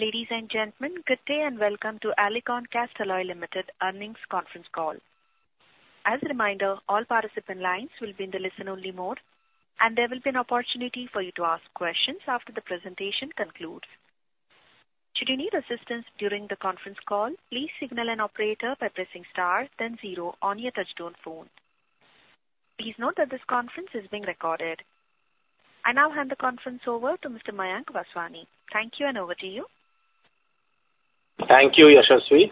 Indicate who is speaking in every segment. Speaker 1: Ladies and gentlemen, good day, and welcome to Alicon Castalloy Limited Earnings Conference Call. As a reminder, all participant lines will be in the listen-only mode, and there will be an opportunity for you to ask questions after the presentation concludes. Should you need assistance during the conference call, please signal an operator by pressing star then zero on your touchtone phone. Please note that this conference is being recorded. I now hand the conference over to Mr. Mayank Vaswani. Thank you, and over to you.
Speaker 2: Thank you, Yashaswi.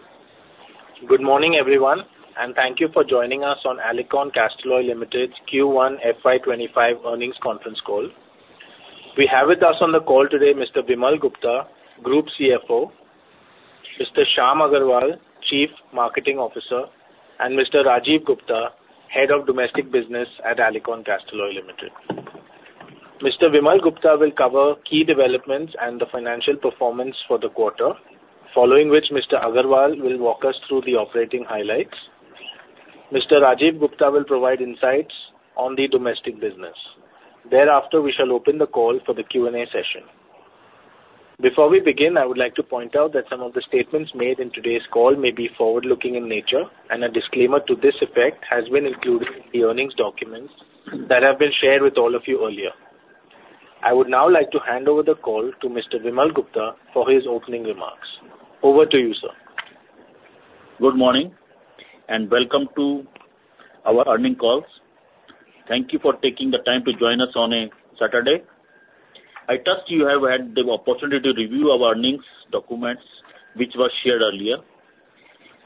Speaker 2: Good morning, everyone, and thank you for joining us on Alicon Castalloy Limited's Q1 FY25 earnings conference call. We have with us on the call today Mr. Vimal Gupta, Group CFO, Mr. Shyam Agarwal, Chief Marketing Officer, and Mr. Rajiv Gupta, Head of Domestic Business at Alicon Castalloy Limited. Mr. Vimal Gupta will cover key developments and the financial performance for the quarter, following which Mr. Agarwal will walk us through the operating highlights. Mr. Rajiv Gupta will provide insights on the domestic business. Thereafter, we shall open the call for the Q&A session. Before we begin, I would like to point out that some of the statements made in today's call may be forward-looking in nature, and a disclaimer to this effect has been included in the earnings documents that have been shared with all of you earlier. I would now like to hand over the call to Mr. Vimal Gupta for his opening remarks. Over to you, sir.
Speaker 3: Good morning, and welcome to our earnings call. Thank you for taking the time to join us on a Saturday. I trust you have had the opportunity to review our earnings documents, which were shared earlier.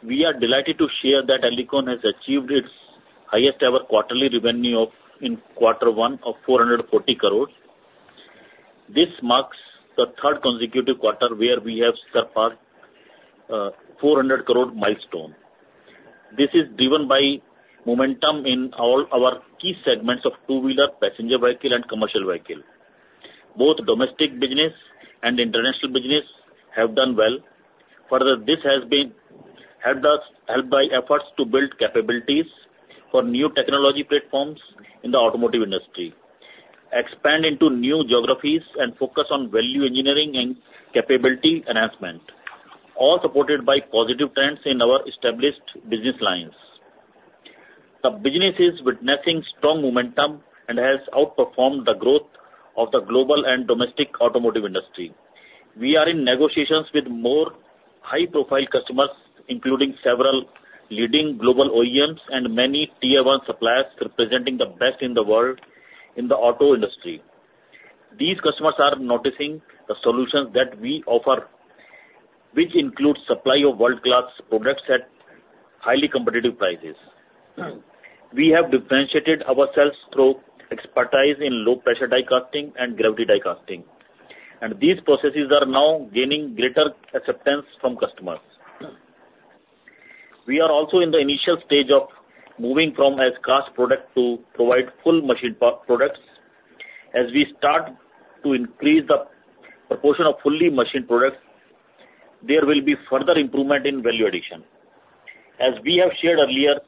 Speaker 3: We are delighted to share that Alicon has achieved its highest ever quarterly revenue of 440 crores in quarter one. This marks the third consecutive quarter where we have surpassed four hundred crore milestone. This is driven by momentum in all our key segments of two-wheeler, passenger vehicle, and commercial vehicle. Both domestic business and international business have done well. Further, this has been helped by efforts to build capabilities for new technology platforms in the automotive industry, expand into new geographies, and focus on value engineering and capability enhancement, all supported by positive trends in our established business lines. The business is witnessing strong momentum and has outperformed the growth of the global and domestic automotive industry. We are in negotiations with more high-profile customers, including several leading global OEMs and many Tier One suppliers, representing the best in the world in the auto industry. These customers are noticing the solutions that we offer, which includes supply of world-class products at highly competitive prices. We have differentiated ourselves through expertise in low pressure die casting and gravity die casting, and these processes are now gaining greater acceptance from customers. We are also in the initial stage of moving from as-cast product to provide full machined products. As we start to increase the proportion of fully machined products, there will be further improvement in value addition. As we have shared earlier,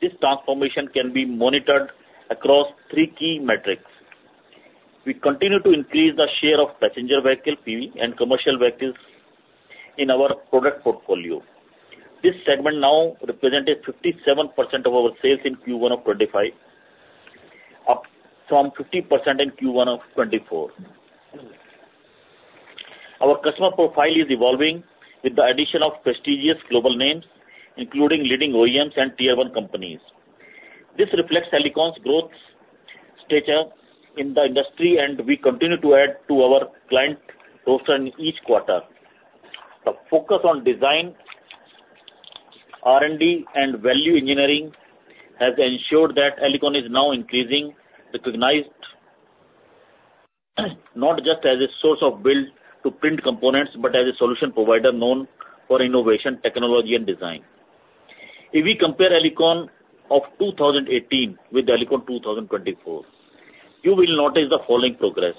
Speaker 3: this transformation can be monitored across three key metrics. We continue to increase the share of passenger vehicle, PV, and commercial vehicles in our product portfolio. This segment now represented 57% of our sales in Q1 of 2025, up from 50% in Q1 of 2024. Our customer profile is evolving with the addition of prestigious global names, including leading OEMs and Tier One companies. This reflects Alicon's growth stature in the industry, and we continue to add to our client roster in each quarter. The focus on design, R&D, and value engineering has ensured that Alicon is now increasingly recognized not just as a source of build-to-print components, but as a solution provider known for innovation, technology and design. If we compare Alicon of 2018 with Alicon 2024, you will notice the following progress.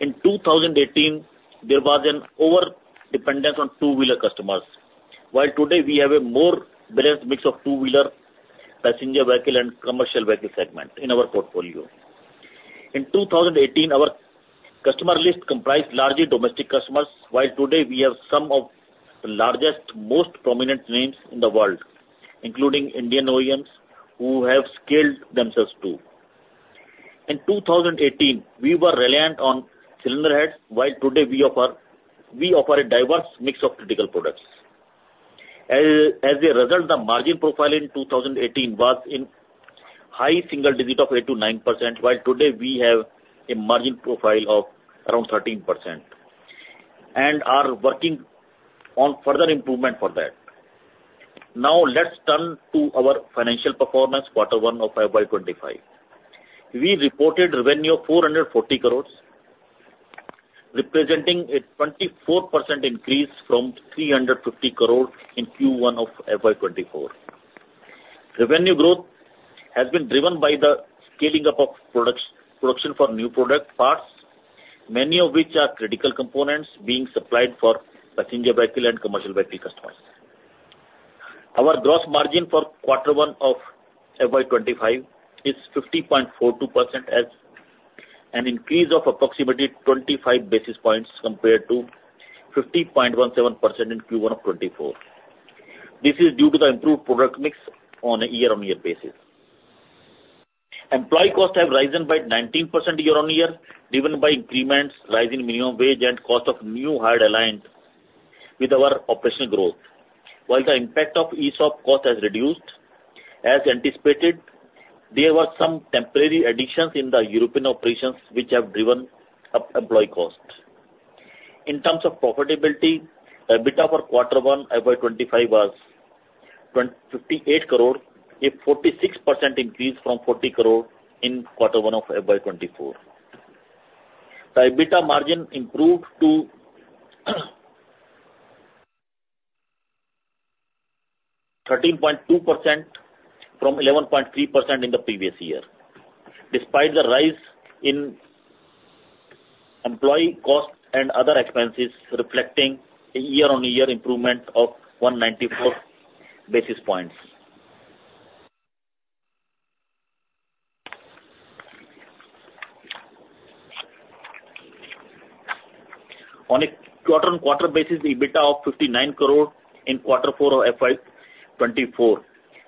Speaker 3: In 2018, there was an overdependence on two-wheeler customers, while today we have a more balanced mix of two-wheeler, passenger vehicle, and commercial vehicle segments in our portfolio. In 2018, our customer list comprised largely domestic customers, while today we have some of the largest, most prominent names in the world, including Indian OEMs, who have scaled themselves, too. In 2018, we were reliant on cylinder heads, while today we offer a diverse mix of critical products. As a result, the margin profile in 2018 was in high single digit of 8%-9%, while today we have a margin profile of around 13% and are working on further improvement for that. Now, let's turn to our financial performance, quarter one of FY25. We reported revenue of 440 crore, representing a 24% increase from 350 crore in Q1 of FY24. Revenue growth has been driven by the scaling up of products, production for new product parts, many of which are critical components being supplied for passenger vehicle and commercial vehicle customers. Our gross margin for quarter one of FY25 is 50.42%, an increase of approximately 25 basis points compared to 50.17% in Q1 of 2024. This is due to the improved product mix on a year-on-year basis. Employee costs have risen by 19% year-on-year, driven by increments, rise in minimum wage, and cost of new hires aligned with our operational growth. While the impact of ESOP cost has reduced, as anticipated, there were some temporary additions in the European operations which have driven up employee costs. In terms of profitability, EBITDA for quarter one FY25 was INR 58 crore, a 46% increase from 40 crore in quarter one of FY24. The EBITDA margin improved to 13.2% from 11.3% in the previous year, despite the rise in employee costs and other expenses, reflecting a year-on-year improvement of 194 basis points. On a quarter-on-quarter basis, the EBITDA of 59 crore in Quarter four of FY24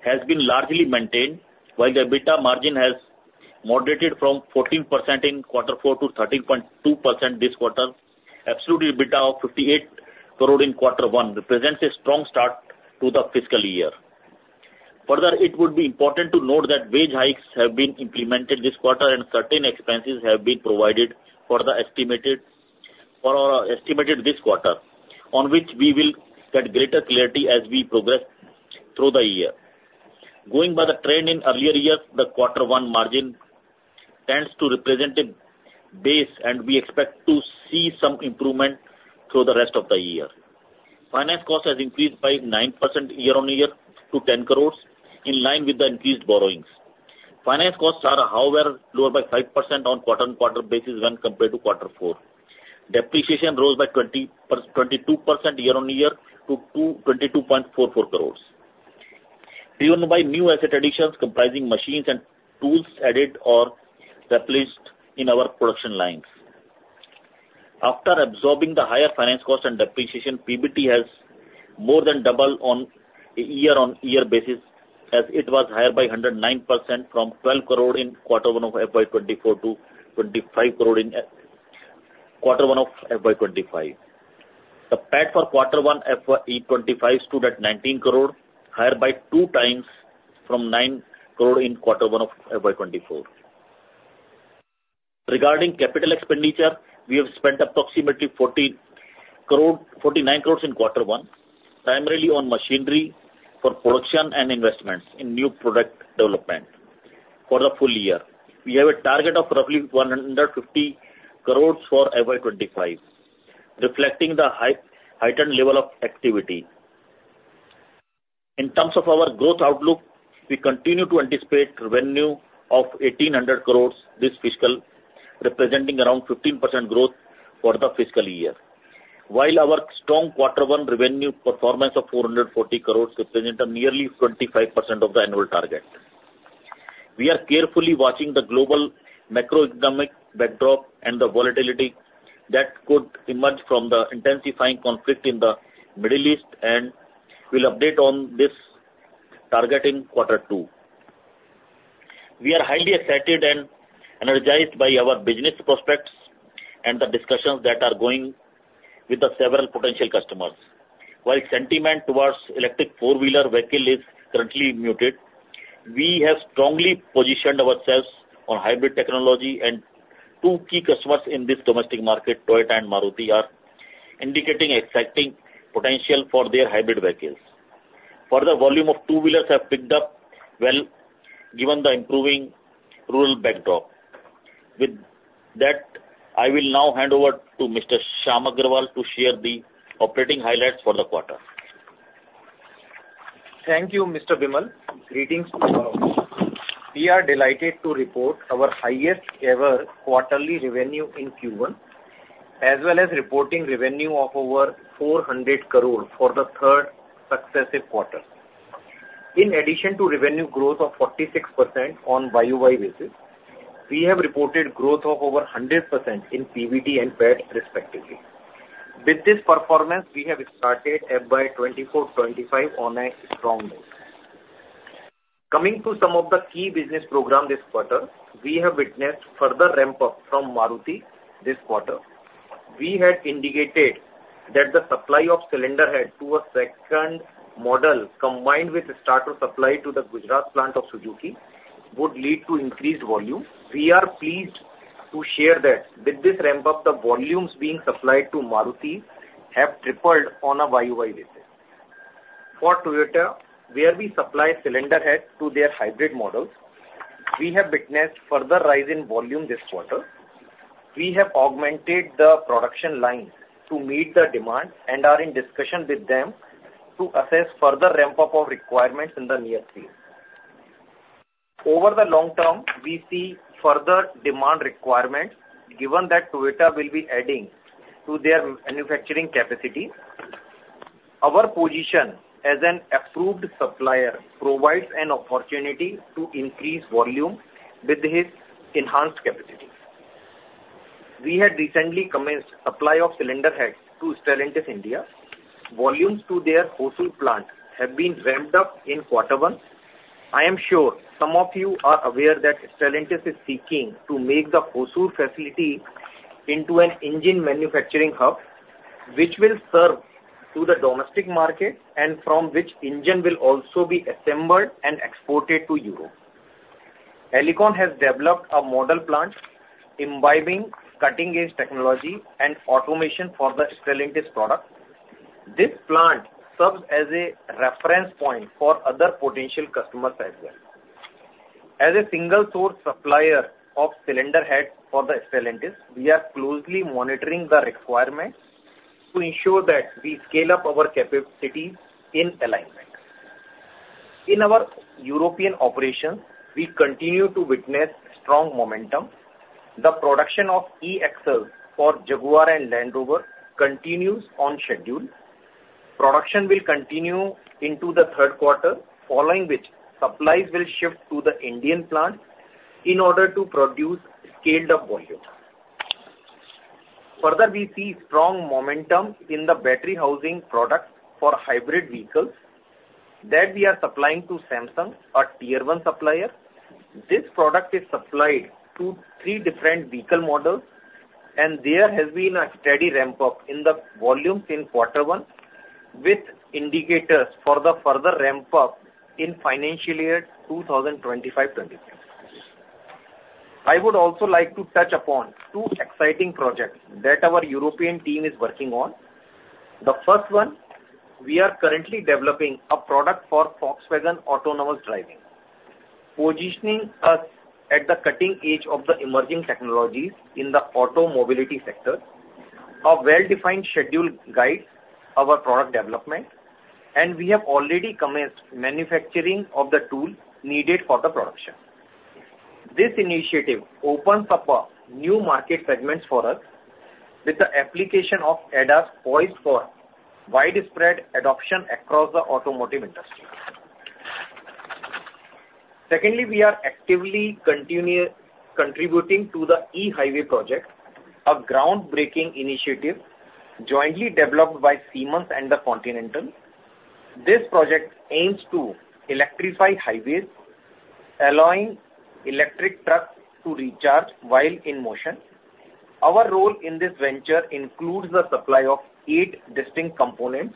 Speaker 3: has been largely maintained, while the EBITDA margin has moderated from 14% in Quarter four to 13.2% this quarter. Absolute EBITDA of 58 crore in Quarter one represents a strong start to the fiscal year. Further, it would be important to note that wage hikes have been implemented this quarter, and certain expenses have been provided for the estimated, for our estimated this quarter, on which we will get greater clarity as we progress through the year. Going by the trend in earlier years, the Quarter one margin tends to represent a base, and we expect to see some improvement through the rest of the year. Finance cost has increased by 9% year-on-year to 10 crore, in line with the increased borrowings. Finance costs are, however, lower by 5% on quarter-on-quarter basis when compared to Quarter four. Depreciation rose by 22% year-on-year to 22.44 crore, driven by new asset additions, comprising machines and tools added or replaced in our production lines. After absorbing the higher finance cost and depreciation, PBT has more than doubled on a year-on-year basis, as it was higher by 109% from 12 crore in Quarter 1 of FY24 to 25 crore in Quarter one of FY25. The PAT for Quarter one FY25 stood at 19 crore, higher by 2x from 9 crore in Quarter one of FY24. Regarding capital expenditure, we have spent approximately 49 crore in Quarter 1, primarily on machinery for production and investments in new product development for the full year. We have a target of roughly 150 crore for FY25, reflecting the heightened level of activity. In terms of our growth outlook, we continue to anticipate revenue of 1,800 crore this fiscal, representing around 15% growth for the fiscal year. While our strong Quarter one revenue performance of 440 crore represent a nearly 25% of the annual target. We are carefully watching the global macroeconomic backdrop and the volatility that could emerge from the intensifying conflict in the Middle East, and we'll update on this target in Quarter two. We are highly excited and energized by our business prospects and the discussions that are going with the several potential customers. While sentiment towards electric four-wheeler vehicle is currently muted, we have strongly positioned ourselves on hybrid technology, and two key customers in this domestic market, Toyota and Maruti, are indicating exciting potential for their hybrid vehicles. Further, volume of two-wheelers have picked up well given the improving rural backdrop. With that, I will now hand over to Mr. Shyam Agarwal to share the operating highlights for the quarter.
Speaker 4: Thank you, Mr. Vimal. Greetings to all. We are delighted to report our highest ever quarterly revenue in Q1, as well as reporting revenue of over 400 crore for the third successive quarter. In addition to revenue growth of 46% on YOY basis, we have reported growth of over 100% in PBT and PAT respectively. With this performance, we have started FY 2024-2025 on a strong note. Coming to some of the key business programs this quarter, we have witnessed further ramp-up from Maruti this quarter. We had indicated that the supply of cylinder head to a second model, combined with the start of supply to the Gujarat plant of Suzuki, would lead to increased volume. We are pleased to share that with this ramp-up, the volumes being supplied to Maruti have tripled on a YOY basis. For Toyota, where we supply cylinder heads to their hybrid models, we have witnessed further rise in volume this quarter. We have augmented the production lines to meet the demand and are in discussion with them to assess further ramp-up of requirements in the near future. Over the long term, we see further demand requirements, given that Toyota will be adding to their manufacturing capacity. Our position as an approved supplier provides an opportunity to increase volume with this enhanced capacity. We had recently commenced supply of cylinder heads to Stellantis India. Volumes to their Hosur plant have been ramped up in quarter one. I am sure some of you are aware that Stellantis is seeking to make the Hosur facility into an engine manufacturing hub, which will serve to the domestic market and from which engine will also be assembled and exported to Europe. Alicon has developed a model plant imbibing cutting-edge technology and automation for the Stellantis product. This plant serves as a reference point for other potential customers as well. As a single source supplier of cylinder heads for the Stellantis, we are closely monitoring the requirements to ensure that we scale up our capacity in alignment. In our European operations, we continue to witness strong momentum. The production of e-axles for Jaguar Land Rover continues on schedule. Production will continue into the third quarter, following which supplies will shift to the Indian plant in order to produce scaled up volume. Further, we see strong momentum in the battery housing products for hybrid vehicles that we are supplying to Samsung, a tier one supplier. This product is supplied to three different vehicle models, and there has been a steady ramp-up in the volumes in quarter one, with indicators for the further ramp-up in financial year 2025-2026. I would also like to touch upon two exciting projects that our European team is working on. The first one, we are currently developing a product for Volkswagen autonomous driving, positioning us at the cutting edge of the emerging technologies in the auto mobility sector. A well-defined schedule guides our product development, and we have already commenced manufacturing of the tool needed for the production. This initiative opens up new market segments for us, with the application of ADAS poised for widespread adoption across the automotive industry. Secondly, we are actively contributing to the eHighway project, a groundbreaking initiative jointly developed by Siemens and Continental. This project aims to electrify highways, allowing electric trucks to recharge while in motion. Our role in this venture includes the supply of eight distinct components,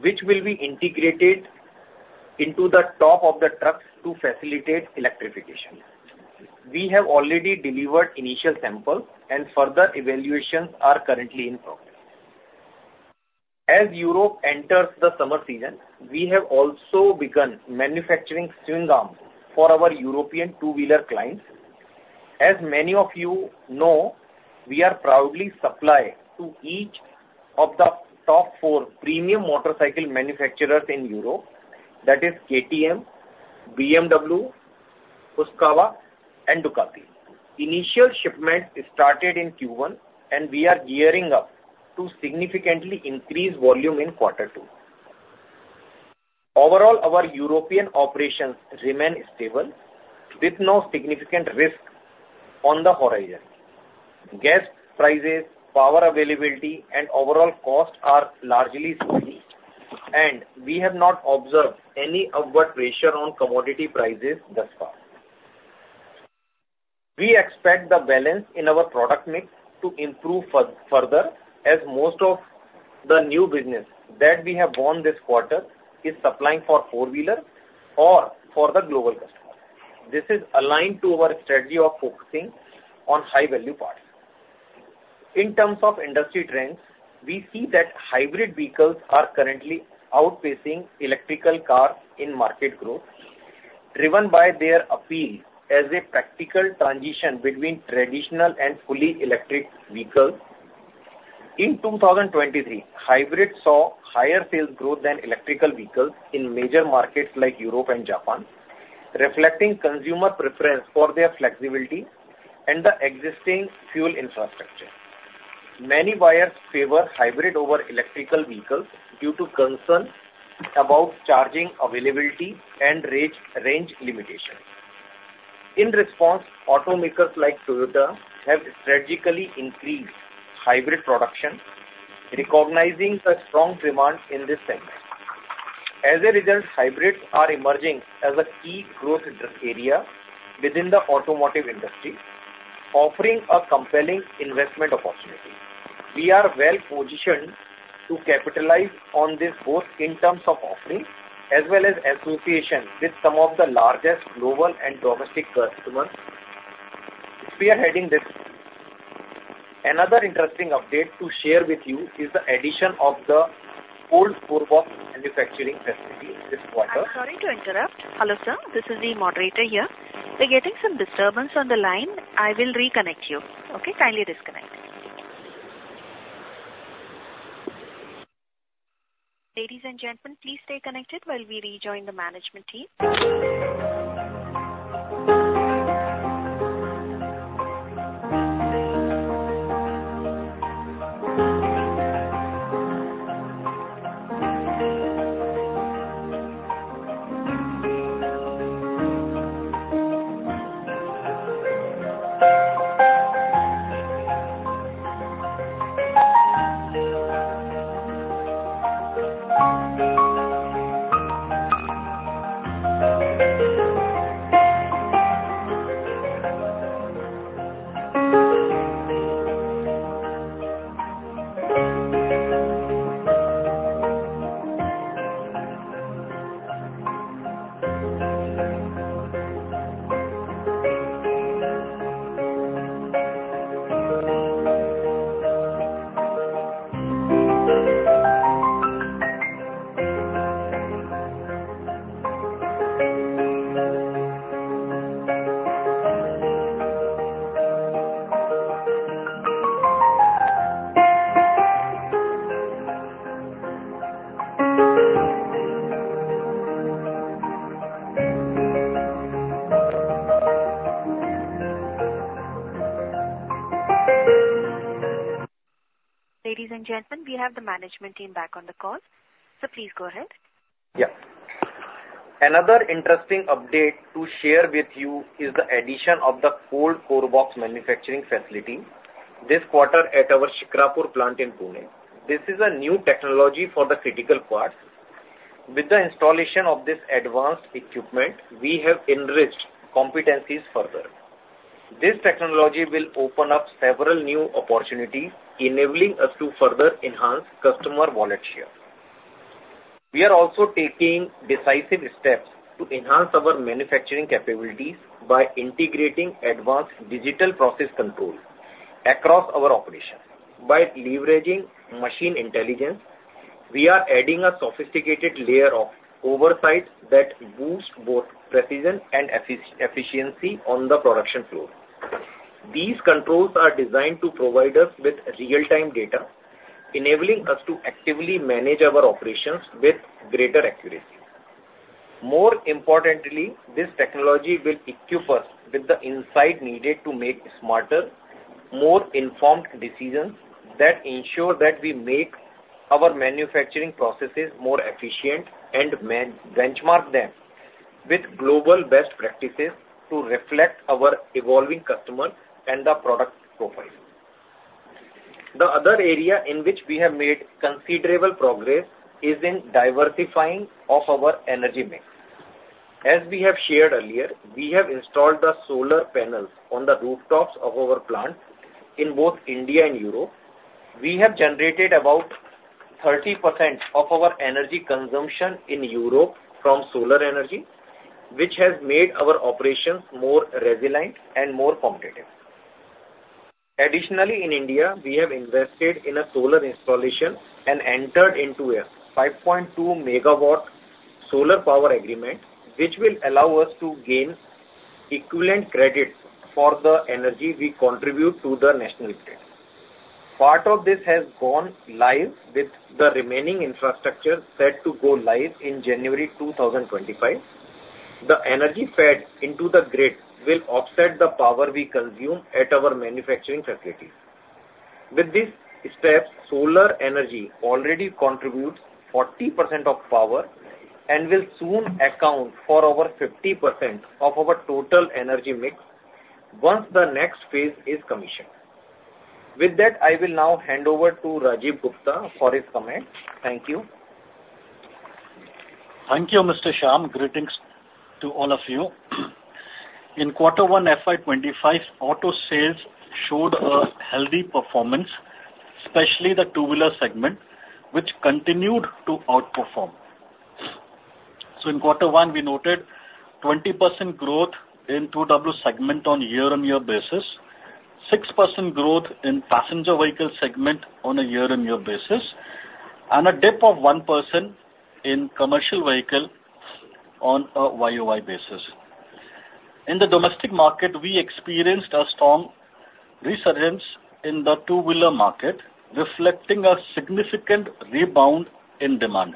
Speaker 4: which will be integrated into the top of the trucks to facilitate electrification. We have already delivered initial samples, and further evaluations are currently in progress. As Europe enters the summer season, we have also begun manufacturing swing arms for our European two-wheeler clients. As many of you know, we are proudly supplied to each of the top four premium motorcycle manufacturers in Europe, that is KTM, BMW, Husqvarna, and Ducati. Initial shipments started in Q1, and we are gearing up to significantly increase volume in quarter two. Overall, our European operations remain stable, with no significant risk on the horizon. Gas prices, power availability, and overall costs are largely steady, and we have not observed any upward pressure on commodity prices thus far. We expect the balance in our product mix to improve further, as most of the new business that we have won this quarter is supplying for four-wheeler or for the global customer. This is aligned to our strategy of focusing on high-value parts. In terms of industry trends, we see that hybrid vehicles are currently outpacing electric cars in market growth, driven by their appeal as a practical transition between traditional and fully electric vehicles. In 2023, hybrids saw higher sales growth than electric vehicles in major markets like Europe and Japan, reflecting consumer preference for their flexibility and the existing fuel infrastructure. Many buyers favor hybrid over electric vehicles due to concerns about charging availability and range, range limitations. In response, automakers like Toyota have strategically increased hybrid production, recognizing a strong demand in this segment. As a result, hybrids are emerging as a key growth area within the automotive industry, offering a compelling investment opportunity. We are well positioned to capitalize on this growth in terms of offerings as well as associations with some of the largest global and domestic customers spearheading this. Another interesting update to share with you is the addition of the Cold Core Box manufacturing facility this quarter.
Speaker 1: I'm sorry to interrupt. Hello, sir, this is the moderator here. We're getting some disturbance on the line. I will reconnect you. Okay? Kindly disconnect. Ladies and gentlemen, please stay connected while we rejoin the management team. Ladies and gentlemen, we have the management team back on the call, so please go ahead.
Speaker 4: Yeah. Another interesting update to share with you is the addition of the Cold Core Box manufacturing facility this quarter at our Shikrapur plant in Pune. This is a new technology for the critical parts. With the installation of this advanced equipment, we have enriched competencies further. This technology will open up several new opportunities, enabling us to further enhance customer wallet share. We are also taking decisive steps to enhance our manufacturing capabilities by integrating advanced digital process control across our operations. By leveraging machine intelligence, we are adding a sophisticated layer of oversight that boosts both precision and efficiency on the production floor. These controls are designed to provide us with real-time data, enabling us to actively manage our operations with greater accuracy. More importantly, this technology will equip us with the insight needed to make smarter, more informed decisions that ensure that we make our manufacturing processes more efficient and benchmark them with global best practices to reflect our evolving customer and the product profile. The other area in which we have made considerable progress is in diversifying of our energy mix. As we have shared earlier, we have installed the solar panels on the rooftops of our plant in both India and Europe. We have generated about 30% of our energy consumption in Europe from solar energy, which has made our operations more resilient and more competitive. Additionally, in India, we have invested in a solar installation and entered into a 5.2-MW solar power agreement, which will allow us to gain equivalent credit for the energy we contribute to the national grid. Part of this has gone live, with the remaining infrastructure set to go live in January 2025. The energy fed into the grid will offset the power we consume at our manufacturing facility. With this step, solar energy already contributes 40% of power and will soon account for over 50% of our total energy mix once the next phase is commissioned. With that, I will now hand over to Rajiv Gupta for his comments. Thank you.
Speaker 5: Thank you, Mr. Shyam. Greetings to all of you. In quarter one, FY25, auto sales showed a healthy performance, especially the two-wheeler segment, which continued to outperform. In quarter one, we noted 20% growth in 2W segment on year-on-year basis, 6% growth in passenger vehicle segment on a year-on-year basis, and a dip of 1% in commercial vehicle on a YOY basis. In the domestic market, we experienced a strong resurgence in the two-wheeler market, reflecting a significant rebound in demand.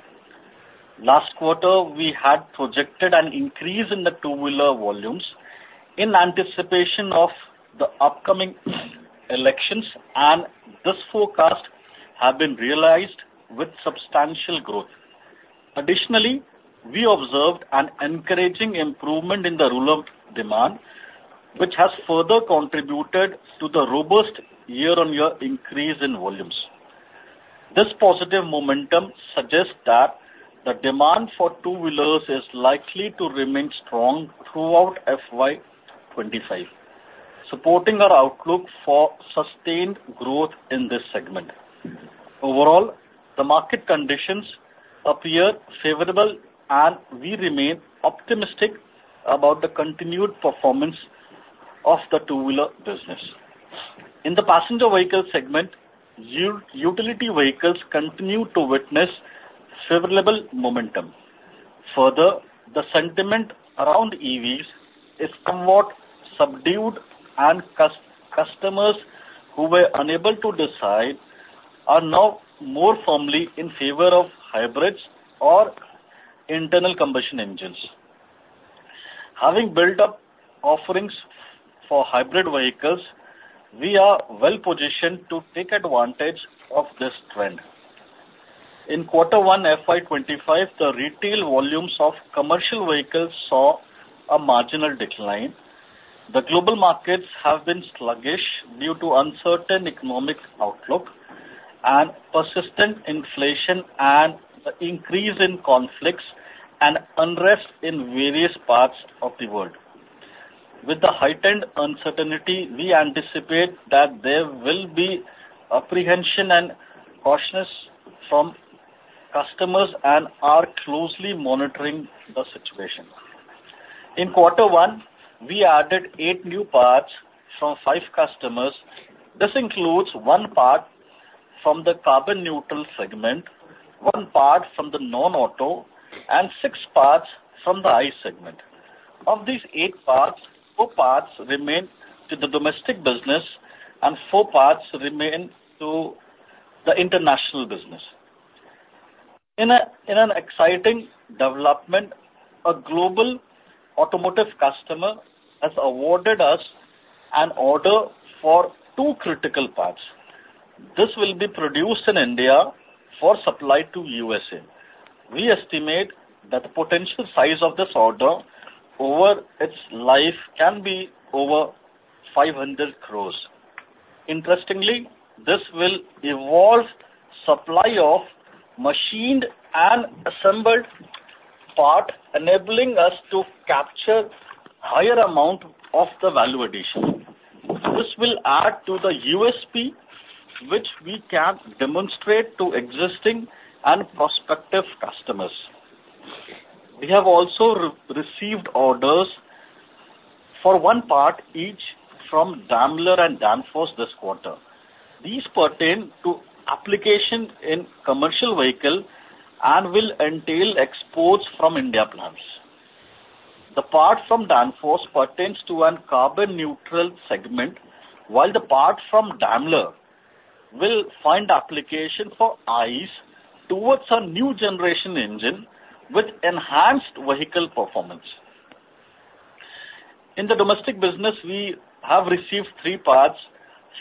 Speaker 5: Last quarter, we had projected an increase in the two-wheeler volumes in anticipation of the upcoming elections, and this forecast have been realized with substantial growth. Additionally, we observed an encouraging improvement in the rural demand, which has further contributed to the robust year-on-year increase in volumes. This positive momentum suggests that the demand for two-wheelers is likely to remain strong throughout FY25, supporting our outlook for sustained growth in this segment. Overall, the market conditions appear favorable, and we remain optimistic about the continued performance of the two-wheeler business. In the passenger vehicle segment, utility vehicles continue to witness favorable momentum. Further, the sentiment around EVs is somewhat subdued and customers who were unable to decide are now more firmly in favor of hybrids or internal combustion engines. Having built up offerings for hybrid vehicles, we are well positioned to take advantage of this trend. In quarter one, FY25, the retail volumes of commercial vehicles saw a marginal decline. The global markets have been sluggish due to uncertain economic outlook and persistent inflation and the increase in conflicts and unrest in various parts of the world. With the heightened uncertainty, we anticipate that there will be apprehension and cautiousness from customers and are closely monitoring the situation. In quarter one, we added eight new parts from five customers. This includes one part from the carbon neutral segment, one part from the non-auto, and six parts from the ICE segment. Of these eight parts, four parts remain to the domestic business and four parts remain to the international business. In an exciting development, a global automotive customer has awarded us an order for two critical parts. This will be produced in India for supply to USA. We estimate that the potential size of this order over its life can be over 500 crore. Interestingly, this will evolve supply of machined and assembled part, enabling us to capture higher amount of the value addition. This will add to the USP, which we can demonstrate to existing and prospective customers. We have also received orders for one part, each from Daimler and Danfoss this quarter. These pertain to application in commercial vehicle and will entail exports from Indian plants. The part from Danfoss pertains to a carbon neutral segment, while the part from Daimler will find application for ICE towards a new generation engine with enhanced vehicle performance. In the domestic business, we have received three parts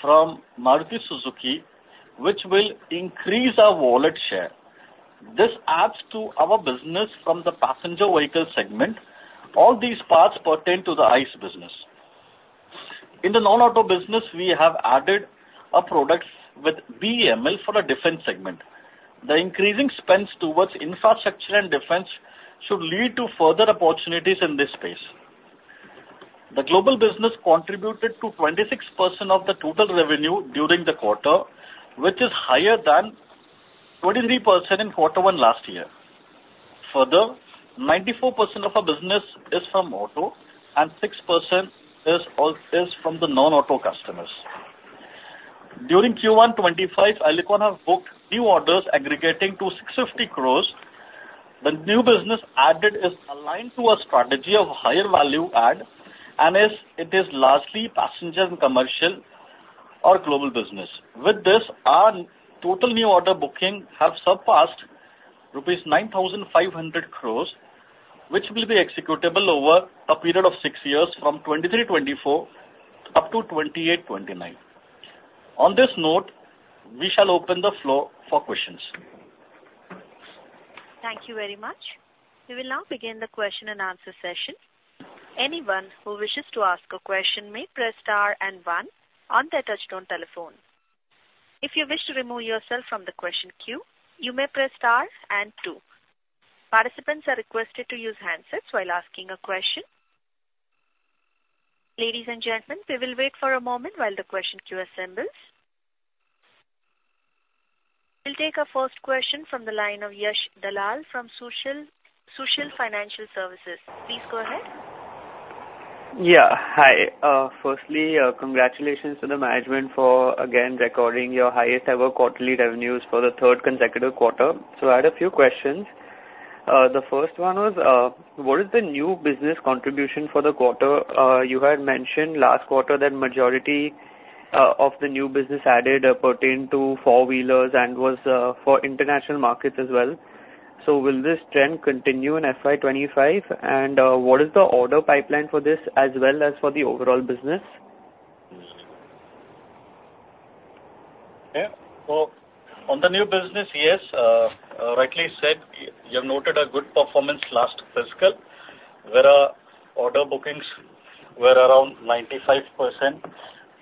Speaker 5: from Maruti Suzuki, which will increase our wallet share. This adds to our business from the passenger vehicle segment. All these parts pertain to the ICE business. In the non-auto business, we have added a product with BEML for a defense segment. The increasing spends towards infrastructure and defense should lead to further opportunities in this space. The global business contributed to 26% of the total revenue during the quarter, which is higher than 23% in quarter one last year. Further, 94% of our business is from auto, and 6% is from the non-auto customers. During Q1 2025, Alicon has booked new orders aggregating to 650 crore. The new business added is aligned to a strategy of higher value add, and it is largely passenger and commercial or global business. With this, our total new order booking has surpassed rupees 9,500 crore, which will be executable over a period of six years from 2023/2024 up to 2028/2029. On this note, we shall open the floor for questions.
Speaker 1: Thank you very much. We will now begin the question and answer session. Anyone who wishes to ask a question may press star and one on their touchtone telephone. If you wish to remove yourself from the question queue, you may press star and two. Participants are requested to use handsets while asking a question. Ladies and gentlemen, we will wait for a moment while the question queue assembles. We'll take our first question from the line of Yash Dalal from Sushil, Sushil Financial Services. Please go ahead.
Speaker 6: Yeah. Hi, firstly, congratulations to the management for again recording your highest ever quarterly revenues for the third consecutive quarter. So I had a few questions. The first one was, what is the new business contribution for the quarter? You had mentioned last quarter that majority of the new business added pertained to four-wheelers and was for international markets as well. So will this trend continue in FY25? And, what is the order pipeline for this as well as for the overall business?
Speaker 5: Yeah. So on the new business, yes, rightly said, you have noted a good performance last fiscal, where our order bookings were around 95%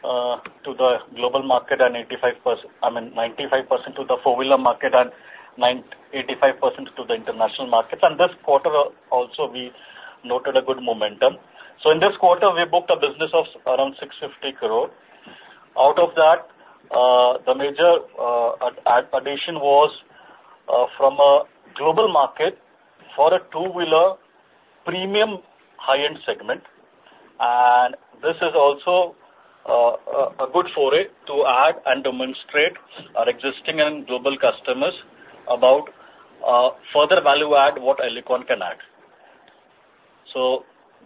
Speaker 5: to the global market and 85% I mean, 95% to the four-wheeler market and 85% to the international markets. And this quarter, also we noted a good momentum. So in this quarter, we booked a business of around 650 crore. Out of that, the major addition was from a global market for a two-wheeler, premium, high-end segment, and this is also a good for it to add and demonstrate-... about, further value add, what Alicon can add. So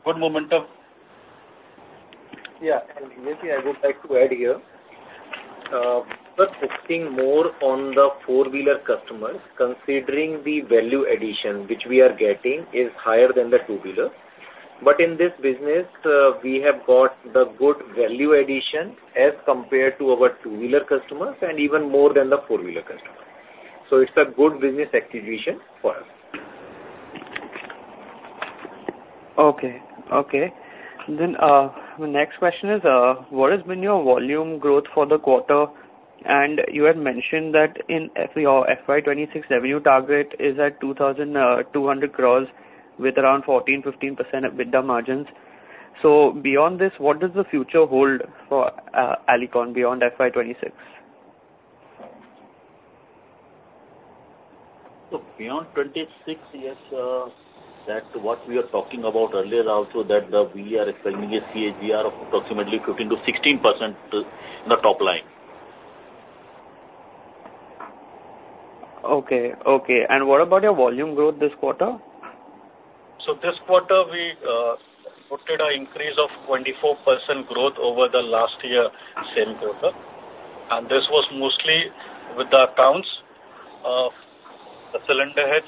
Speaker 5: good momentum.
Speaker 4: Yeah, and maybe I would like to add here, we're focusing more on the four-wheeler customers, considering the value addition, which we are getting is higher than the two-wheeler. But in this business, we have got the good value addition as compared to our two-wheeler customers and even more than the four-wheeler customer. So it's a good business acquisition for us.
Speaker 6: My next question is, what has been your volume growth for the quarter? And you had mentioned that in FY26 revenue target is at 2,200 crores with around 14%-15% EBITDA margins. So beyond this, what does the future hold for Alicon beyond FY26?
Speaker 3: So beyond 2026, yes, that's what we are talking about earlier also, that we are expecting a CAGR of approximately 15%-16% in the top line.
Speaker 6: Okay. Okay. What about your volume growth this quarter?
Speaker 5: This quarter we booked an increase of 24% growth over the last year's same quarter, and this was mostly with the accounts of the cylinder head,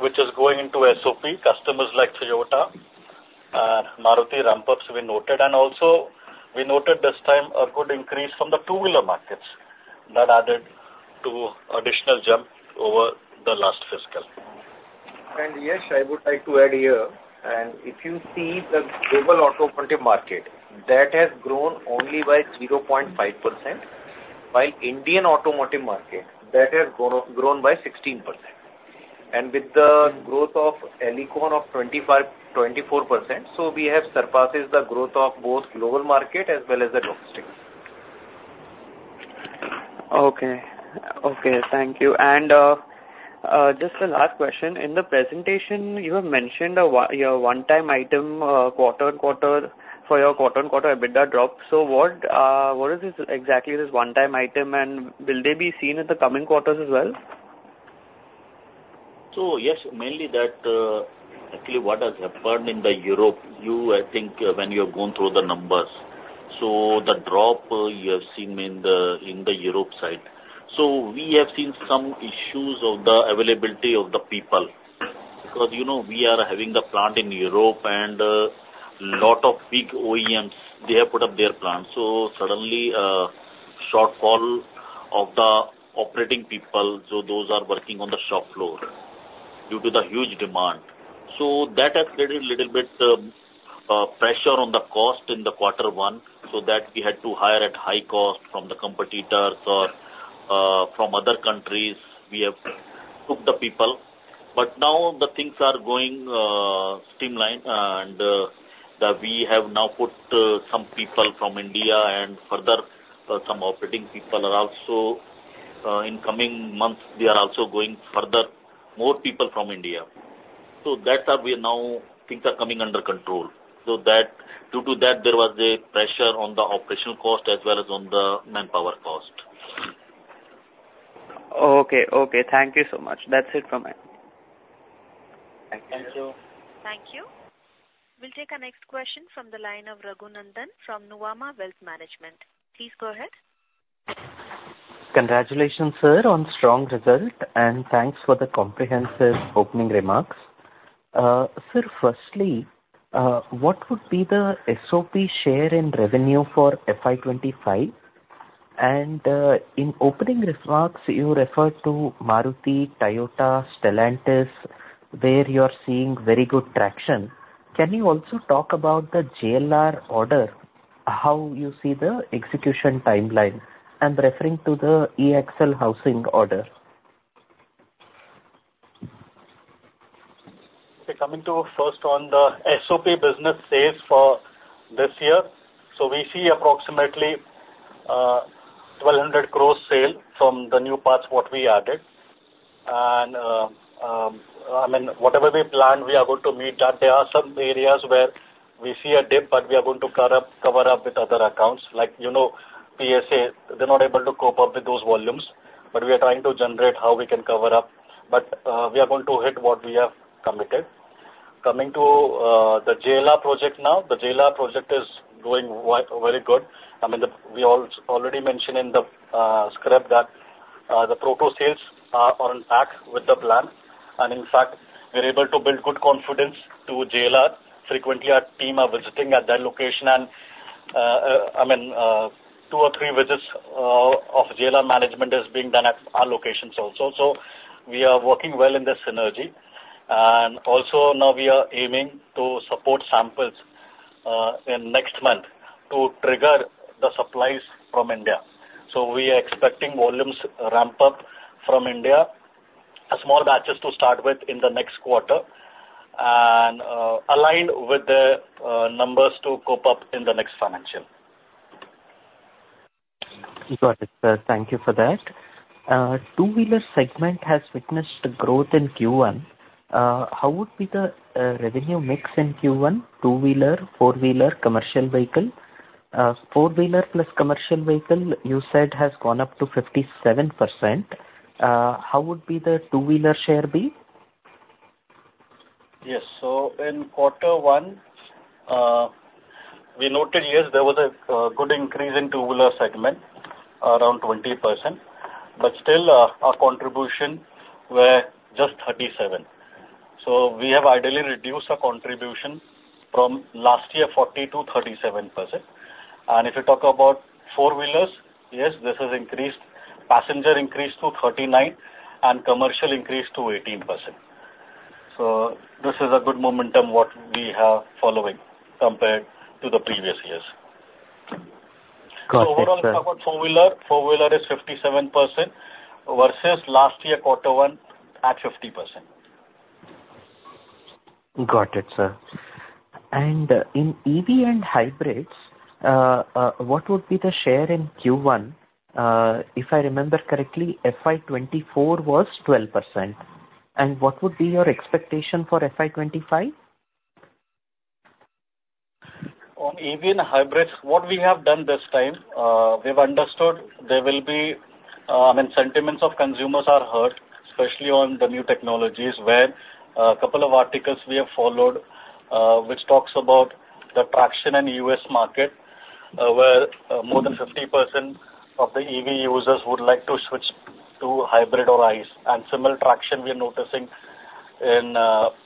Speaker 5: which is going into SOP, customers like Toyota and Maruti ramp-ups we noted, and also we noted this time a good increase from the two-wheeler markets. That added to additional jump over the last fiscal.
Speaker 4: Yes, I would like to add here, and if you see the global automotive market, that has grown only by 0.5%, while Indian automotive market, that has grown by 16%. And with the growth of Alicon of 25%-24%, so we have surpasses the growth of both global market as well as the domestic.
Speaker 6: Okay. Okay, thank you. And just the last question, in the presentation, you have mentioned your one-time item, quarter-on-quarter, for your quarter-on-quarter EBITDA drop. So what is this exactly, this one-time item, and will they be seen in the coming quarters as well?
Speaker 3: So yes, mainly that, actually, what has happened in Europe, you, I think, when you have gone through the numbers, so the drop you have seen in the Europe side. So we have seen some issues of the availability of the people, because, you know, we are having a plant in Europe and, lot of big OEMs, they have put up their plants. So suddenly, shortfall of the operating people, so those are working on the shop floor due to the huge demand. So that has created a little bit, pressure on the cost in the quarter one, so that we had to hire at high cost from the competitors or, from other countries, we have took the people. But now the things are going streamline, and we have now put some people from India and further, some operating people are also in coming months. They are also going further, more people from India. So that's how we are now. Things are coming under control. So that, due to that, there was a pressure on the operational cost as well as on the manpower cost.
Speaker 6: Okay. Okay. Thank you so much. That's it from me.
Speaker 3: Thank you.
Speaker 4: Thank you.
Speaker 1: Thank you. We'll take our next question from the line of Raghunandan from Nuvama Wealth Management. Please go ahead.
Speaker 7: Congratulations, sir, on strong result, and thanks for the comprehensive opening remarks. Sir, firstly, what would be the SOP share in revenue for FY25? In opening remarks, you referred to Maruti, Toyota, Stellantis, where you are seeing very good traction. Can you also talk about the JLR order, how you see the execution timeline? I'm referring to the eAxle housing order.
Speaker 5: So coming to first on the SOP business sales for this year. So we see approximately 1,200 crores sales from the new parts, what we added. I mean, whatever we plan, we are going to meet that. There are some areas where we see a dip, but we are going to cover up, cover up with other accounts. Like, you know, PSA, they're not able to cope up with those volumes, but we are trying to generate how we can cover up. But we are going to hit what we have committed. Coming to the JLR project now. The JLR project is doing very good. I mean, we already mentioned in the script that the proto sales are on track with the plan. And in fact, we're able to build good confidence to JLR. Frequently, our team are visiting at their location and, I mean, two or three visits of JLR management is being done at our locations also. So we are working well in this synergy. And also now we are aiming to support samples in next month to trigger the supplies from India. So we are expecting volumes ramp up from India, a small batches to start with in the next quarter, and aligned with the numbers to cope up in the next financial.
Speaker 7: Got it, sir. Thank you for that. Two-wheeler segment has witnessed growth in Q1. How would be the revenue mix in Q1, two-wheeler, four-wheeler, commercial vehicle?... Four-wheeler plus commercial vehicle, you said, has gone up to 57%. How would be the two-wheeler share be?
Speaker 5: Yes. So in quarter one, we noted, yes, there was a good increase in two-wheeler segment, around 20%, but still, our contribution were just 37. So we have ideally reduced our contribution from last year, 40%-37%. And if you talk about four-wheelers, yes, this has increased. Passenger increased to 39, and commercial increased to 18%. So this is a good momentum what we have following, compared to the previous years.
Speaker 7: Got it, sir.
Speaker 5: Overall, about four-wheeler, four-wheeler is 57%, versus last year, quarter one, at 50%.
Speaker 7: Got it, sir. And, in EV and hybrids, what would be the share in Q1? If I remember correctly, FY24 was 12%. And what would be your expectation for FY25?
Speaker 5: On EV and hybrids, what we have done this time, we've understood there will be, when sentiments of consumers are hurt, especially on the new technologies, where a couple of articles we have followed, which talks about the traction in the US market, where, more than 50% of the EV users would like to switch to hybrid or ICE. And similar traction we are noticing in,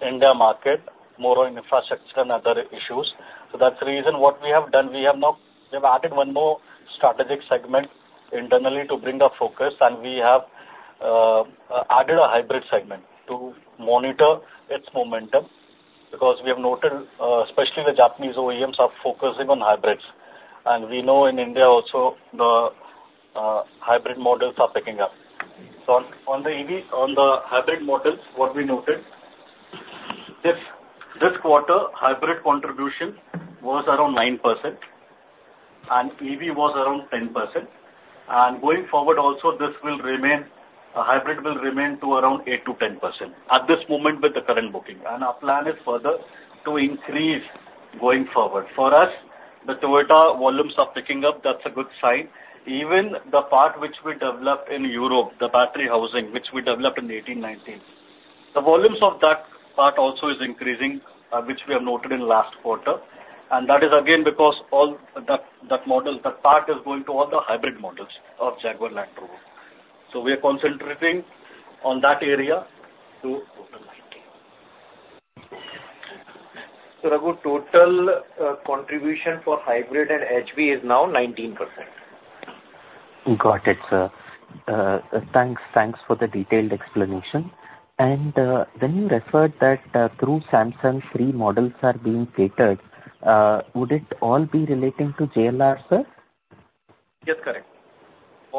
Speaker 5: India market, more on infrastructure and other issues. So that's the reason what we have done, we have now, we've added one more strategic segment internally to bring the focus, and we have, added a hybrid segment to monitor its momentum, because we have noted, especially the Japanese OEMs are focusing on hybrids. And we know in India also, the, hybrid models are picking up. So, on the EV—on the hybrid models, what we noted, this, this quarter, hybrid contribution was around 9%, and EV was around 10%. And going forward, also, this will remain, a hybrid will remain to around 8%-10%, at this moment with the current booking. And our plan is further to increase going forward. For us, the Toyota volumes are picking up, that's a good sign. Even the part which we developed in Europe, the battery housing, which we developed in 2018, 2019, the volumes of that part also is increasing, which we have noted in last quarter, and that is again, because all that, that model, that part is going to all the hybrid models of Jaguar Land Rover. So we are concentrating on that area too in 2019. So Raghu, total contribution for hybrid and HEV is now 19%.
Speaker 7: Got it, sir. Thanks, thanks for the detailed explanation. And, when you referred that, through Samsung, three models are being catered, would it all be relating to JLR, sir?
Speaker 5: Yes, correct.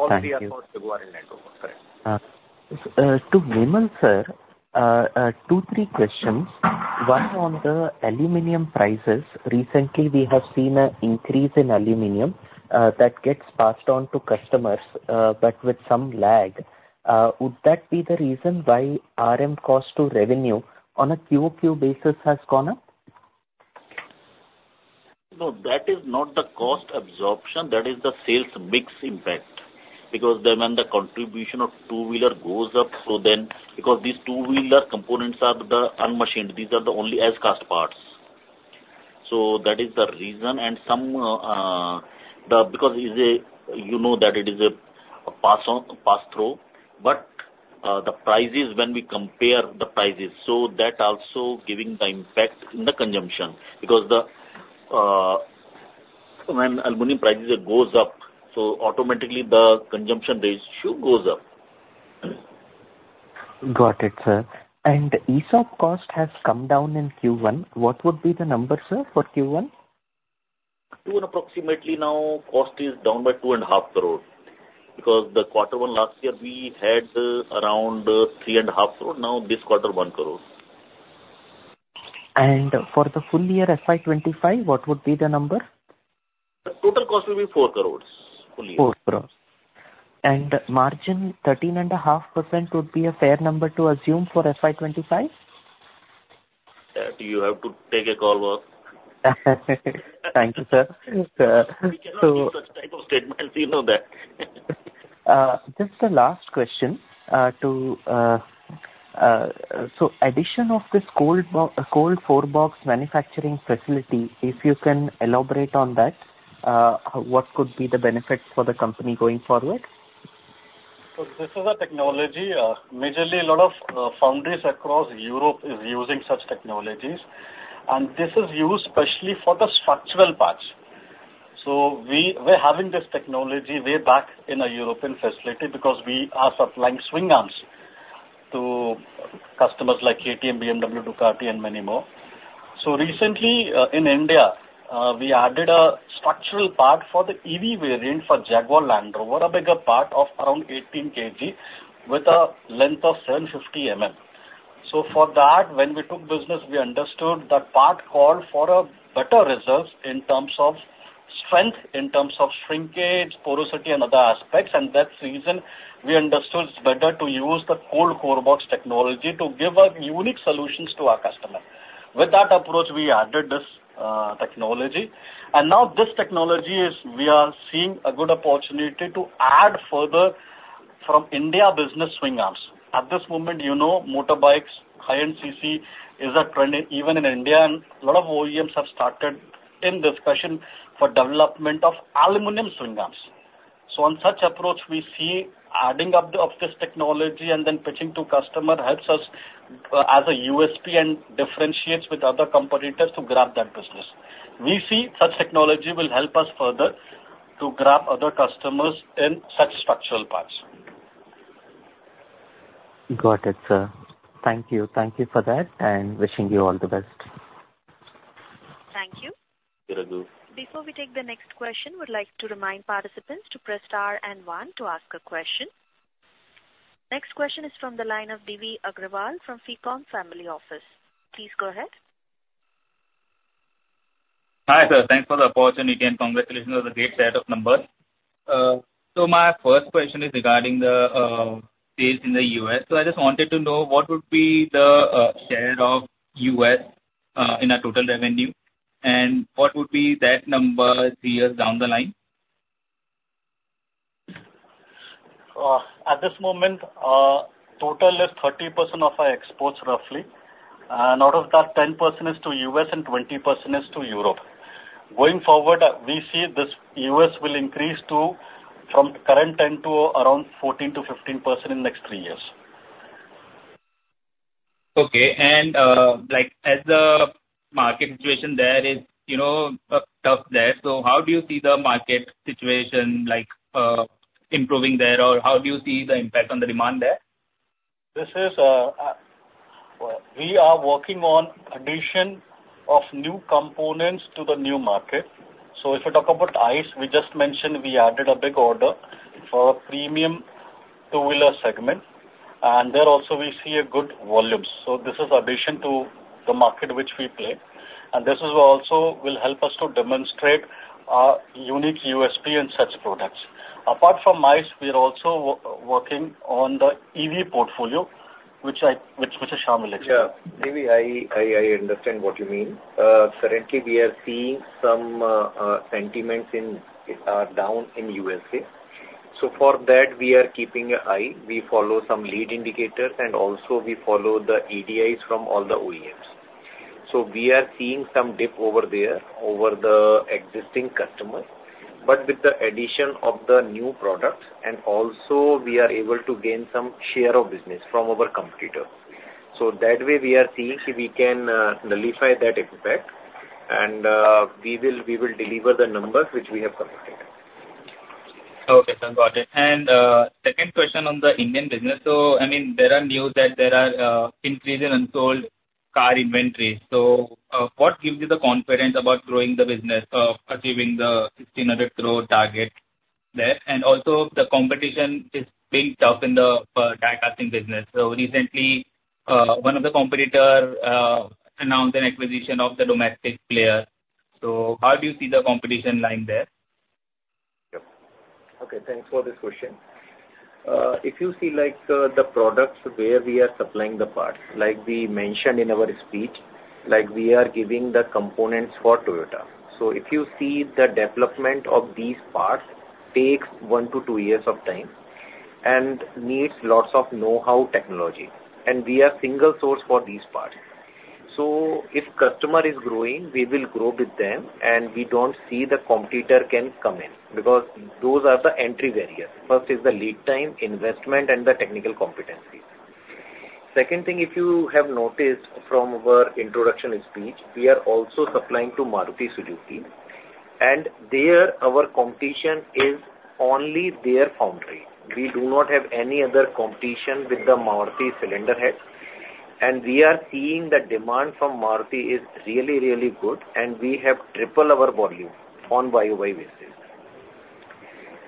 Speaker 7: Thank you.
Speaker 5: All three are for Jaguar Land Rover, correct?
Speaker 7: To Vimal sir, 2-3 questions. One, on the aluminum prices, recently, we have seen an increase in aluminum that gets passed on to customers, but with some lag. Would that be the reason why RM cost to revenue on a QOQ basis has gone up?
Speaker 3: No, that is not the cost absorption, that is the sales mix impact, because then when the contribution of two-wheeler goes up, so then... Because these two-wheeler components are the unmachined, these are the only as-cast parts. So that is the reason, and some, the, because is a, you know that it is a, a pass on, pass through, but, the prices, when we compare the prices, so that also giving the impact in the consumption, because the, when aluminum prices goes up, so automatically the consumption ratio goes up.
Speaker 7: Got it, sir. ESOP cost has come down in Q1. What would be the number, sir, for Q1?
Speaker 3: Q1, approximately now, cost is down by 2.5 crore. Because the quarter one last year, we had around 3.5 crore, now this quarter, 1 crore.
Speaker 7: For the full year, FY25, what would be the number?
Speaker 3: The total cost will be 4 crore, full year.
Speaker 7: 4 crore. And margin, 13.5% would be a fair number to assume for FY25?
Speaker 3: That you have to take a call on.
Speaker 7: Thank you, sir.
Speaker 3: We cannot give such type of statements, you know that.
Speaker 7: Just the last question, so addition of this cold core box manufacturing facility, if you can elaborate on that, what could be the benefit for the company going forward?
Speaker 5: This is a technology, majorly a lot of foundries across Europe is using such technologies, and this is used especially for the structural parts. We were having this technology way back in a European facility, because we are supplying Swing Arms to customers like KTM, BMW, Ducati, and many more. Recently, in India, we added a structural part for the EV variant for Jaguar Land Rover, a bigger part of around 18 kg, with a length of 750 mm. For that, when we took business, we understood that part called for a better results in terms of strength, in terms of shrinkage, porosity, and other aspects, and that's the reason we understood to use the Cold Core Box technology to give a unique solutions to our customer. With that approach, we added this technology, and now this technology is; we are seeing a good opportunity to add further from India business swing arms. At this moment, you know, motorbikes, high-end CC, is a trend even in India, and a lot of OEMs have started in discussion for development of aluminum swing arms. So on such approach, we see adding up of this technology and then pitching to customer helps us as a USP and differentiates with other competitors to grab that business. We see such technology will help us further to grab other customers in such structural parts.
Speaker 7: Got it, sir. Thank you. Thank you for that, and wishing you all the best.
Speaker 1: Thank you.
Speaker 3: You're welcome.
Speaker 1: Before we take the next question, we'd like to remind participants to press star and one to ask a question. Next question is from the line of D.V. Agarwal from Pecan Family Office. Please go ahead.
Speaker 8: Hi, sir. Thanks for the opportunity, and congratulations on the great set of numbers. My first question is regarding the sales in the U.S. I just wanted to know what would be the share of U.S. in our total revenue, and what would be that number three years down the line?
Speaker 5: At this moment, total is 30% of our exports, roughly. And out of that, 10% is to U.S., and 20% is to Europe. Going forward, we see this U.S. will increase to, from current 10% to around 14%-15% in the next three years.
Speaker 8: Okay, and, like, as the market situation there is, you know, tough there, so how do you see the market situation like, improving there? Or how do you see the impact on the demand there?
Speaker 5: This is, we are working on addition of new components to the new market. So if you talk about ICE, we just mentioned we added a big order for a premium two-wheeler segment, and there also we see a good volume. So this is addition to the market which we play, and this is also will help us to demonstrate our unique USP in such products. Apart from ICE, we are also working on the EV portfolio, which Shyam will explain.
Speaker 4: Yeah. D.V., I understand what you mean. Currently we are seeing some sentiments down in USA. So for that, we are keeping an eye. We follow some lead indicators, and also we follow the ADIs from all the OEMs. So we are seeing some dip over there over the existing customers, but with the addition of the new products, and also we are able to gain some share of business from our competitors. So that way we are seeing if we can nullify that impact, and we will deliver the numbers which we have committed.
Speaker 8: Okay, sir. Got it. And second question on the Indian business: so, I mean, there are news that there are increase in unsold car inventory. So what gives you the confidence about growing the business of achieving the 1600 growth target there? And also the competition is being tough in the die-casting business. So recently one of the competitor announced an acquisition of the domestic player. So how do you see the competition lying there?
Speaker 4: Yep. Okay, thanks for this question. If you see like the products where we are supplying the parts, like we mentioned in our speech, like we are giving the components for Toyota. So if you see the development of these parts takes 1-2 years of time and needs lots of know-how technology, and we are single source for these parts. So if customer is growing, we will grow with them, and we don't see the competitor can come in, because those are the entry barriers. First is the lead time, investment, and the technical competency. Second thing, if you have noticed from our introduction speech, we are also supplying to Maruti Suzuki, and there our competition is only their foundry. We do not have any other competition with the Maruti cylinder head, and we are seeing the demand from Maruti is really, really good, and we have triple our volume on YOY basis.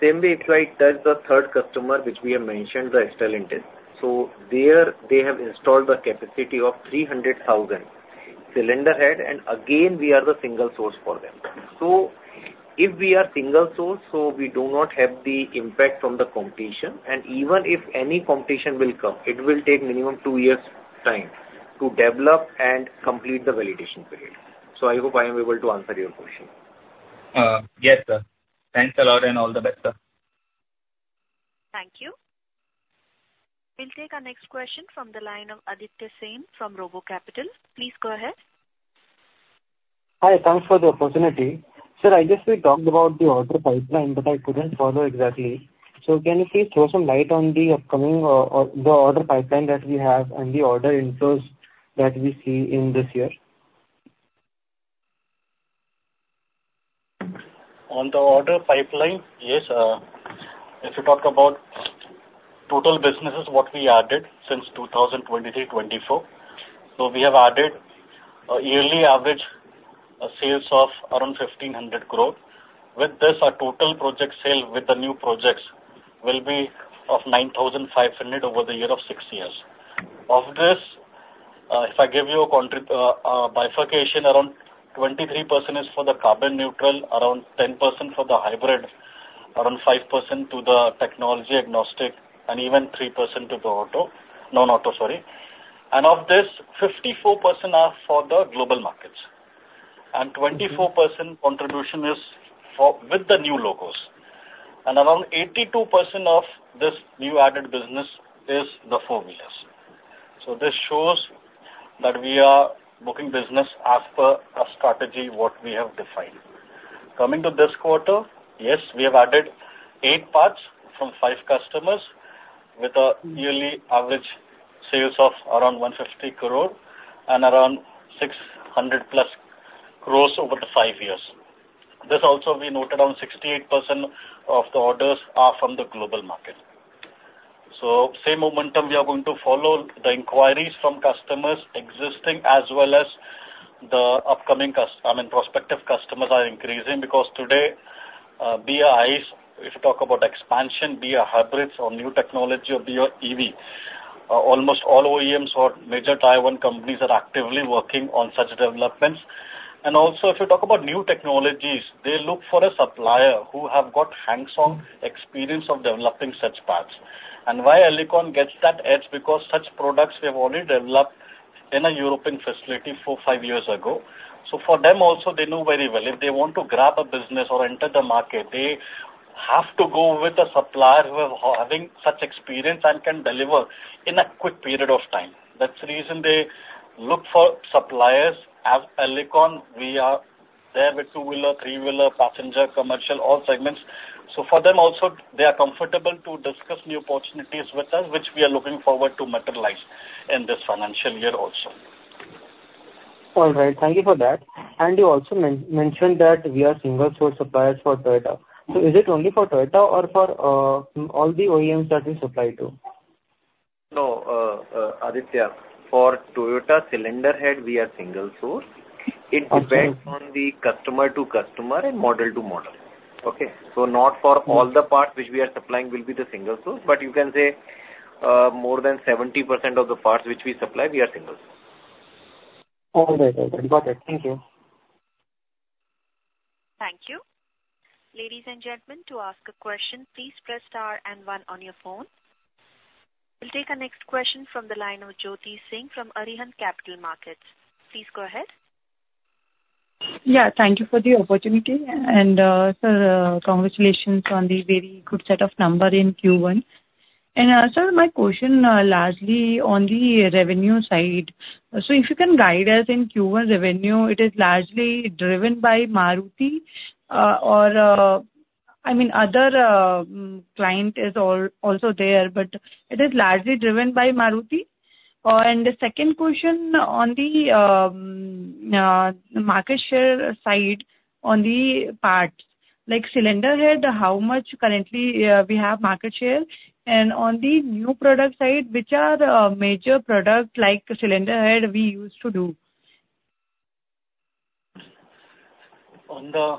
Speaker 4: Same way, if I touch the third customer, which we have mentioned, the Stellantis. So there, they have installed a capacity of 300,000 cylinder head, and again, we are the single source for them. So if we are single source, so we do not have the impact from the competition, and even if any competition will come, it will take minimum two years' time to develop and complete the validation period. So I hope I am able to answer your question.
Speaker 8: Yes, sir. Thanks a lot, and all the best, sir.
Speaker 1: Thank you. We'll take our next question from the line of Aditya Sen from Robo Capital. Please go ahead.
Speaker 9: Hi, thanks for the opportunity. Sir, I guess we talked about the order pipeline, but I couldn't follow exactly. Can you please throw some light on the upcoming or, or the order pipeline that we have and the order inflows that we see in this year?
Speaker 10: On the order pipeline, yes, if you talk about total businesses, what we added since 2023, 2024, so we have added a yearly average sales of around 1,500 growth. With this, our total project sale with the new projects will be of 9,500 over the year of 6 years. Of this, if I give you a bifurcation, around 23% is for the carbon neutral, around 10% for the hybrid, around 5% to the technology agnostic, and even 3% to the auto, non-auto, sorry. And of this, 54% are for the global markets, and 24% contribution is for with the new logos. And around 82% of this new added business is the four-wheelers. So this shows that we are booking business as per our strategy, what we have defined. Coming to this quarter, yes, we have added 8 parts from 5 customers with a yearly average sales of around 150 crore and around 600+ crores over the 5 years. This also, we noted, 68% of the orders are from the global market. So same momentum, we are going to follow the inquiries from customers existing as well as the upcoming cust-- I mean, prospective customers are increasing because today, buyers, if you talk about expansion, BEVs or hybrids or new technology or BEV or EV, almost all OEMs or major Tier One companies are actively working on such developments. And also, if you talk about new technologies, they look for a supplier who have got hands-on experience of developing such parts. And why Alicon gets that edge? Because such products, we have already developed in a European facility 4-5 years ago. So for them also, they know very well, if they want to grab a business or enter the market, they have to go with a supplier who are having such experience and can deliver in a quick period of time. That's the reason they look for suppliers. As Alicon, we are there with two-wheeler, three-wheeler, passenger, commercial, all segments. So for them also, they are comfortable to discuss new opportunities with us, which we are looking forward to materialize in this financial year also. All right, thank you for that. And you also mentioned that we are single source suppliers for Toyota. So is it only for Toyota or for all the OEMs that we supply to?
Speaker 4: No, Aditya, for Toyota cylinder head, we are single source.
Speaker 9: Okay.
Speaker 4: It depends on the customer to customer and model to model. Okay? So not for all the parts which we are supplying will be the single source, but you can say, more than 70% of the parts which we supply, we are single source.
Speaker 9: All right, okay. Got it. Thank you.
Speaker 1: Thank you. Ladies and gentlemen, to ask a question, please press star and one on your phone. We'll take our next question from the line of Jyoti Singh from Arihant Capital Markets. Please go ahead.
Speaker 11: Yeah, thank you for the opportunity. And, sir, congratulations on the very good set of number in Q1. And, sir, my question, largely on the revenue side. So if you can guide us in Q1 revenue, it is largely driven by Maruti, or, I mean, other, client is also there, but it is largely driven by Maruti. And the second question on the, market share side, on the parts, like cylinder head, how much currently we have market share? And on the new product side, which are the, major product, like cylinder head, we used to do?
Speaker 5: On the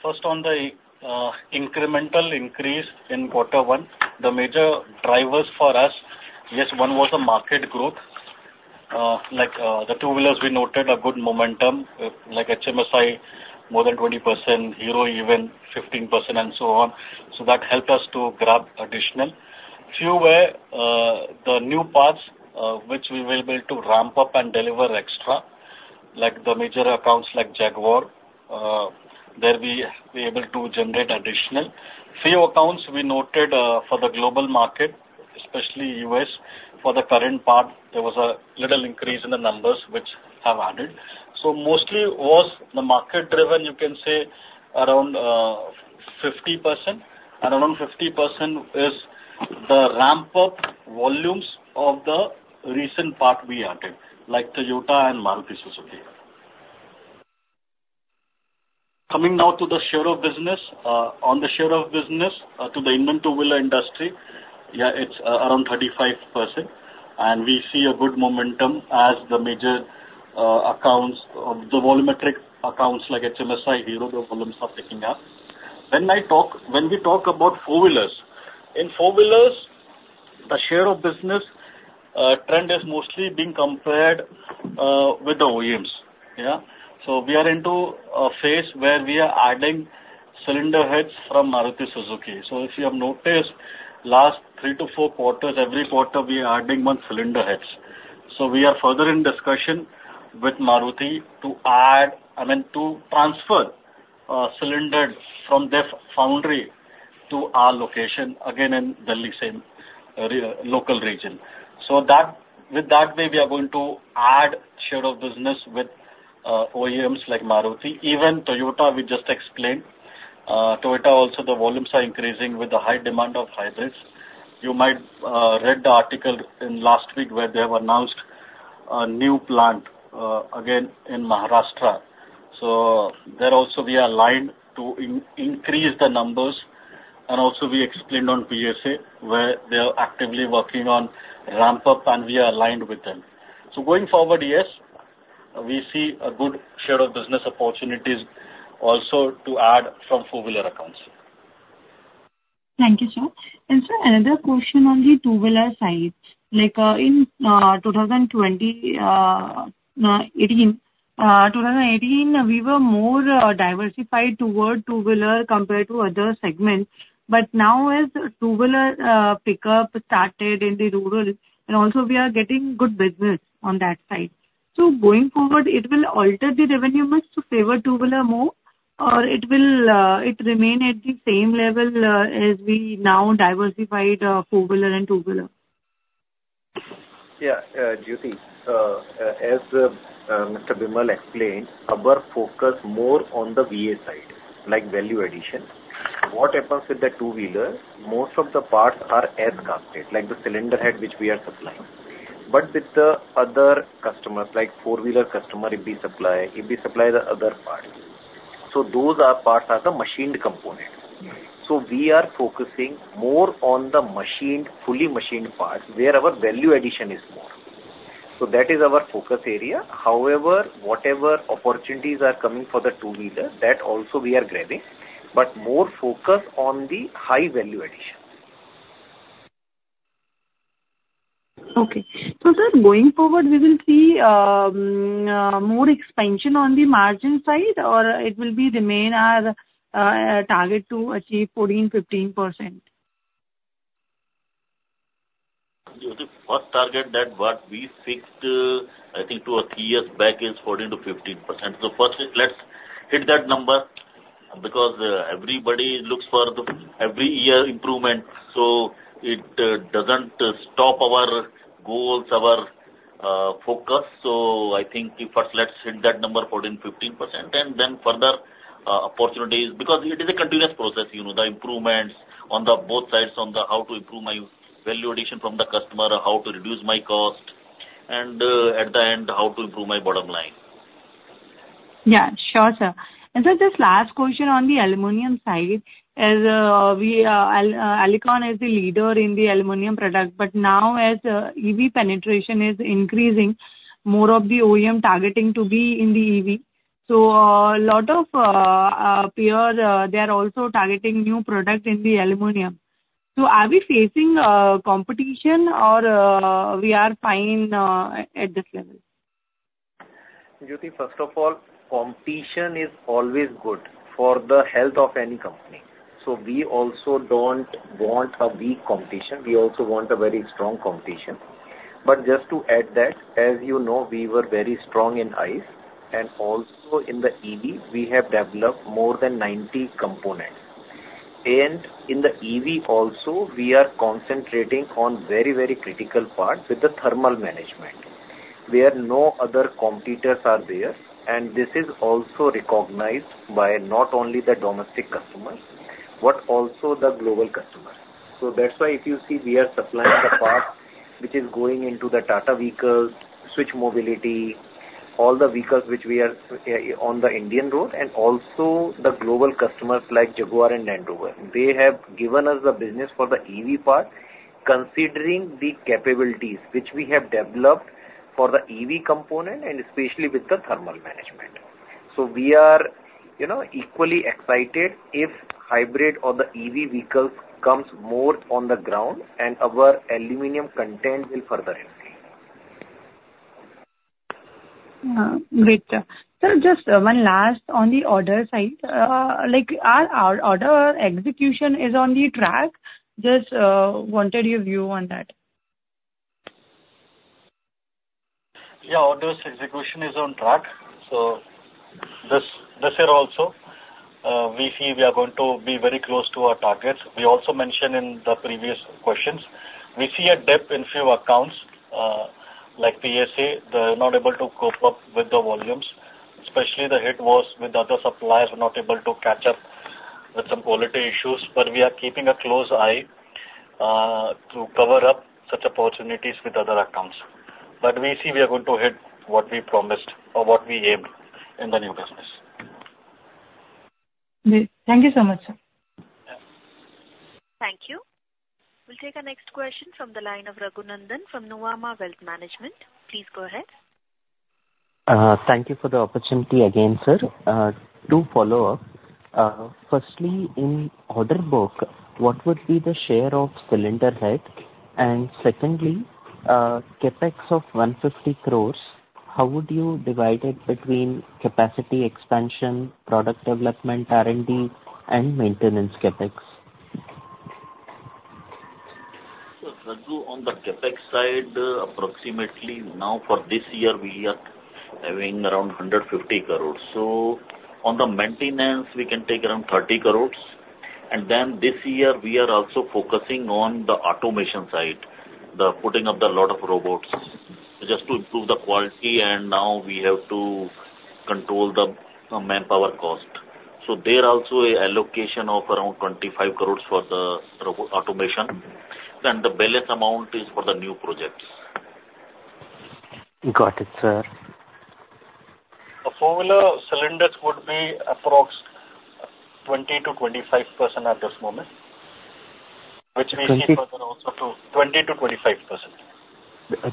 Speaker 5: first, on the incremental increase in quarter one, the major drivers for us, yes, one was the market growth. Like, the two-wheelers, we noted a good momentum, like HMSI, more than 20%, Hero even 15%, and so on. So that helped us to grab additional. Few were the new parts, which we were able to ramp up and deliver extra, like the major accounts like Jaguar, there we, we able to generate additional. Few accounts we noted for the global market, especially U.S., for the current part, there was a little increase in the numbers which have added. So mostly it was the market driven, you can say, around 50%, and around 50% is the ramp-up volumes of the recent part we added, like Toyota and Maruti Suzuki. Coming now to the share of business. On the share of business to the Indian two-wheeler industry, yeah, it's around 35%, and we see a good momentum as the major accounts, the volumetric accounts like HMSI, Hero, the volumes are picking up. When we talk about four-wheelers, in four-wheelers, the share of business trend is mostly being compared with the OEMs. Yeah. So we are into a phase where we are adding cylinder heads from Maruti Suzuki. So if you have noticed, last 3-4 quarters, every quarter, we are adding one cylinder heads. So we are further in discussion with Maruti to add, I mean, to transfer cylinders from their foundry to our location, again, in Delhi, same local region. So that, with that way, we are going to add share of business with OEMs like Maruti. Even Toyota, we just explained, Toyota also, the volumes are increasing with the high demand of hybrids. You might read the article in last week, where they have announced a new plant, again, in Maharashtra. So there also we are aligned to increase the numbers. And also we explained on PSA, where they are actively working on ramp-up, and we are aligned with them. So going forward, yes, we see a good share of business opportunities also to add from four-wheeler accounts....
Speaker 11: Thank you, sir. Sir, another question on the two-wheeler side, like, in 2018, we were more diversified toward two-wheeler compared to other segments, but now as two-wheeler pickup started in the rural, and also we are getting good business on that side. So going forward, it will alter the revenue mix to favor two-wheeler more, or it will remain at the same level as we now diversified four-wheeler and two-wheeler?
Speaker 4: Yeah, Jyoti, as Mr. Vimal explained, our focus more on the VA side, like value addition. What happens with the two-wheeler, most of the parts are as casted, like the cylinder head which we are supplying. But with the other customers, like four-wheeler customer, we supply, we supply the other parts. So those are parts are the machined component. So we are focusing more on the machined, fully machined parts, where our value addition is more. So that is our focus area. However, whatever opportunities are coming for the two-wheeler, that also we are grabbing, but more focus on the high value addition.
Speaker 11: Okay. So, sir, going forward, we will see more expansion on the margin side, or it will be remain our target to achieve 14%-15%?
Speaker 3: Jyoti, first target that what we fixed, I think 2 or 3 years back is 14%-15%. So first, let's hit that number, because, everybody looks for the every year improvement, so it, doesn't stop our goals, our, focus. So I think first let's hit that number, fourteen, fifteen percent, and then further, opportunities, because it is a continuous process, you know, the improvements on the both sides, on the how to improve my value addition from the customer, how to reduce my cost, and, at the end, how to improve my bottom line.
Speaker 11: Yeah, sure, sir. And sir, just last question on the aluminum side, as we Alicon is the leader in the aluminum product, but now as EV penetration is increasing, more of the OEM targeting to be in the EV. So a lot of peers they are also targeting new product in the aluminum. So are we facing competition or we are fine at this level?
Speaker 4: Jyoti, first of all, competition is always good for the health of any company. So we also don't want a weak competition, we also want a very strong competition. But just to add that, as you know, we were very strong in ICE, and also in the EV, we have developed more than 90 components. And in the EV also, we are concentrating on very, very critical parts with the thermal management, where no other competitors are there, and this is also recognized by not only the domestic customers, but also the global customers. So that's why if you see, we are supplying the parts which is going into the Tata vehicles, Switch Mobility, all the vehicles which we are on the Indian road, and also the global customers like Jaguar and Land Rover. They have given us the business for the EV part, considering the capabilities which we have developed for the EV component and especially with the thermal management. So we are, you know, equally excited if hybrid or the EV vehicles comes more on the ground, and our aluminum content will further increase.
Speaker 11: Great, sir. Sir, just one last on the order side. Like, our order execution is on the track? Just wanted your view on that.
Speaker 5: Yeah, orders execution is on track. So this, this year also, we see we are going to be very close to our targets. We also mentioned in the previous questions, we see a dip in few accounts, like PSA, they're not able to cope up with the volumes. Especially the hit was with the other suppliers were not able to catch up with some quality issues, but we are keeping a close eye, to cover up such opportunities with other accounts. But we see we are going to hit what we promised or what we aimed in the new business.
Speaker 11: Thank you so much, sir.
Speaker 1: Thank you. We'll take our next question from the line of Raghunandan from Nuvama Wealth Management. Please go ahead.
Speaker 7: Thank you for the opportunity again, sir. Two follow-up. Firstly, in order book, what would be the share of cylinder head? And secondly, CapEx of 150 crores, how would you divide it between capacity expansion, product development, R&D, and maintenance CapEx?
Speaker 3: Sir, Raghu, on the CapEx side, approximately now for this year, we are having around 150 crores. So on the maintenance, we can take around 30 crores, and then this year we are also focusing on the automation side, the putting up the lot of robots, just to improve the quality, and now we have to control the manpower cost. So there also a allocation of around 25 crores for the automation, then the balance amount is for the new projects.
Speaker 7: Got it, sir.
Speaker 5: The four-wheeler cylinders would be approx 20%-25% at this moment, which we see further also to-
Speaker 7: Twenty?
Speaker 5: 20%-25%....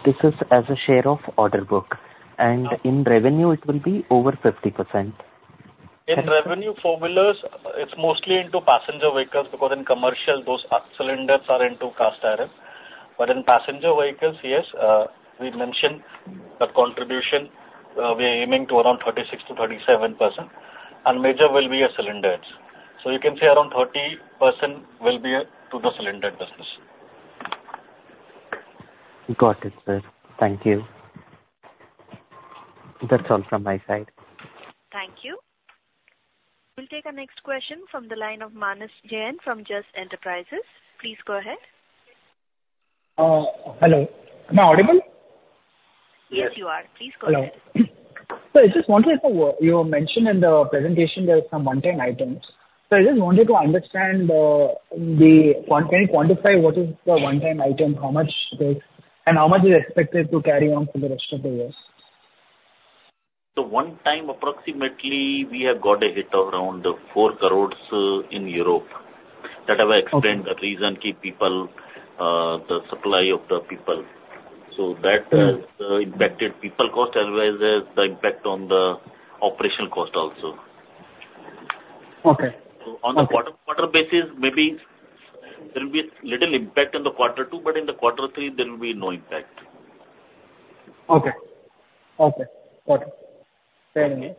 Speaker 7: This is as a share of order book, and in revenue, it will be over 50%.
Speaker 3: In revenue, four-wheelers, it's mostly into passenger vehicles, because in commercial, those are cylinders are into cast iron. But in passenger vehicles, yes, we've mentioned the contribution, we are aiming to around 36%-37%, and major will be your cylinders. So you can say around 30% will be to the cylinder business.
Speaker 7: Got it, sir. Thank you. That's all from my side.
Speaker 1: Thank you. We'll take our next question from the line of Manas Jain from Just Enterprises. Please go ahead.
Speaker 12: Hello, am I audible?
Speaker 1: Yes, you are. Please go ahead.
Speaker 12: Hello. So I just wanted to, you mentioned in the presentation there is some one-time items. So I just wanted to understand, can you quantify what is the one-time item, how much it is, and how much is expected to carry on for the rest of the years?
Speaker 3: The one-time, approximately, we have got a hit around 4 crore in Europe. That I have explained-
Speaker 12: Okay.
Speaker 3: -the reason, key people, the supply of the people.
Speaker 12: Mm-hmm.
Speaker 3: So that has impacted people cost. Otherwise, there's the impact on the operational cost also.
Speaker 12: Okay. Okay.
Speaker 3: On a quarter-over-quarter basis, maybe there will be little impact in the quarter two, but in the quarter three, there will be no impact.
Speaker 12: Okay. Okay. Got it. Fairly.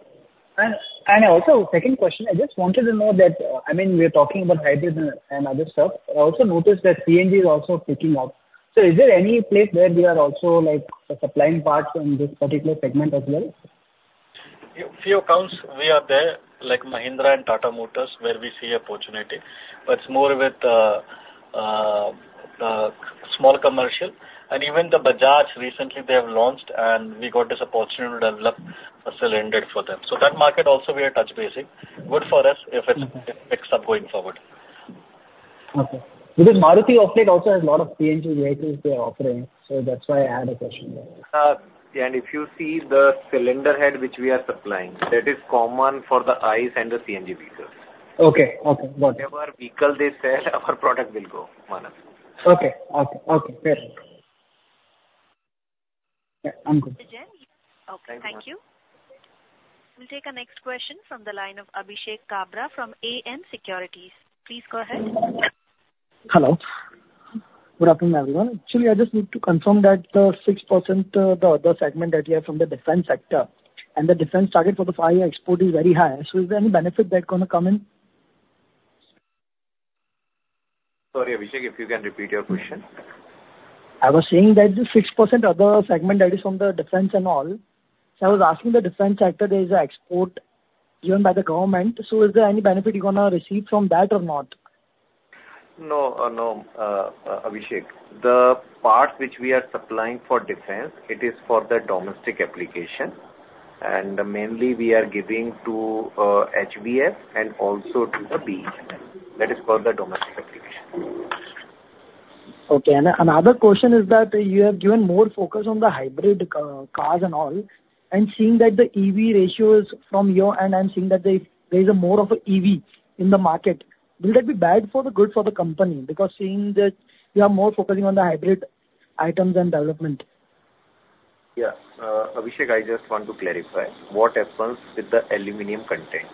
Speaker 12: And, and also, second question, I just wanted to know that, I mean, we are talking about hybrids and, and other stuff. I also noticed that CNG is also picking up. So is there any place where we are also, like, supplying parts in this particular segment as well?
Speaker 5: A few accounts we are there, like Mahindra and Tata Motors, where we see opportunity, but more with small commercial. And even the Bajaj, recently, they have launched, and we got this opportunity to develop a cylinder for them. So that market also we are touch base. Good for us if it picks up going forward.
Speaker 12: Okay. Because Maruti Suzuki also has a lot of CNG vehicles they are offering, so that's why I had a question there.
Speaker 4: If you see the cylinder head which we are supplying, that is common for the ICE and the CNG vehicles.
Speaker 12: Okay. Okay, got it.
Speaker 4: Whatever vehicle they sell, our product will go, Manas.
Speaker 12: Okay. Okay. Okay, fair enough. Yeah, I'm good.
Speaker 1: Okay, thank you. We'll take our next question from the line of Abhishek Kabra from AM Securities. Please go ahead.
Speaker 13: Hello. Good afternoon, everyone. Actually, I just need to confirm that the 6%, the other segment that you have from the defense sector, and the defense target for the five-year export is very high, so is there any benefit that's going to come in?
Speaker 4: Sorry, Abhishek, if you can repeat your question.
Speaker 13: I was saying that the 6% other segment that is from the defense and all, so I was asking the defense sector, there is an export given by the government, so is there any benefit you're gonna receive from that or not?
Speaker 4: No, Abhishek. The parts which we are supplying for defense, it is for the domestic application, and mainly we are giving to HVF and also to the, that is for the domestic application.
Speaker 13: Okay, and another question is that you have given more focus on the hybrid cars and all, and seeing that the EV ratio is from your end, I'm seeing that there is more of an EV in the market. Will that be bad or good for the company? Because seeing that you are more focusing on the hybrid items and development.
Speaker 4: Yeah, Abhishek, I just want to clarify what happens with the aluminum content.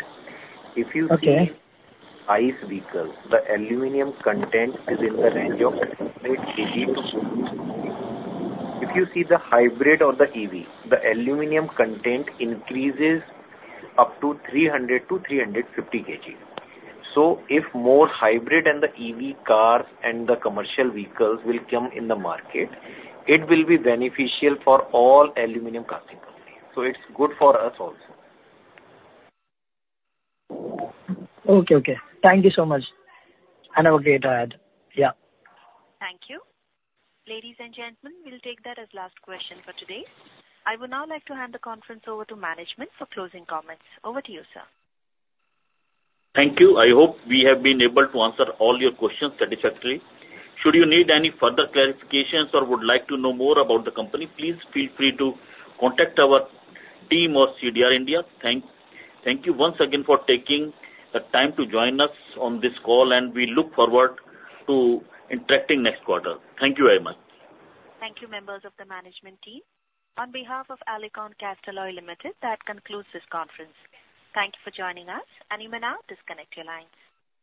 Speaker 13: Okay.
Speaker 4: If you see ICE vehicle, the aluminum content is in the range of 8 kg. If you see the hybrid or the EV, the aluminum content increases up to 300kg-350 kg. So if more hybrid and the EV cars and the commercial vehicles will come in the market, it will be beneficial for all aluminum casting companies, so it's good for us also.
Speaker 13: Okay, okay. Thank you so much. I have a great day ahead. Yeah.
Speaker 1: Thank you. Ladies and gentlemen, we'll take that as last question for today. I would now like to hand the conference over to management for closing comments. Over to you, sir.
Speaker 3: Thank you. I hope we have been able to answer all your questions satisfactorily. Should you need any further clarifications or would like to know more about the company, please feel free to contact our team or CDR India. Thank you once again for taking the time to join us on this call, and we look forward to interacting next quarter. Thank you very much.
Speaker 1: Thank you, members of the management team. On behalf of Alicon Castalloy Limited, that concludes this conference. Thank you for joining us, and you may now disconnect your lines.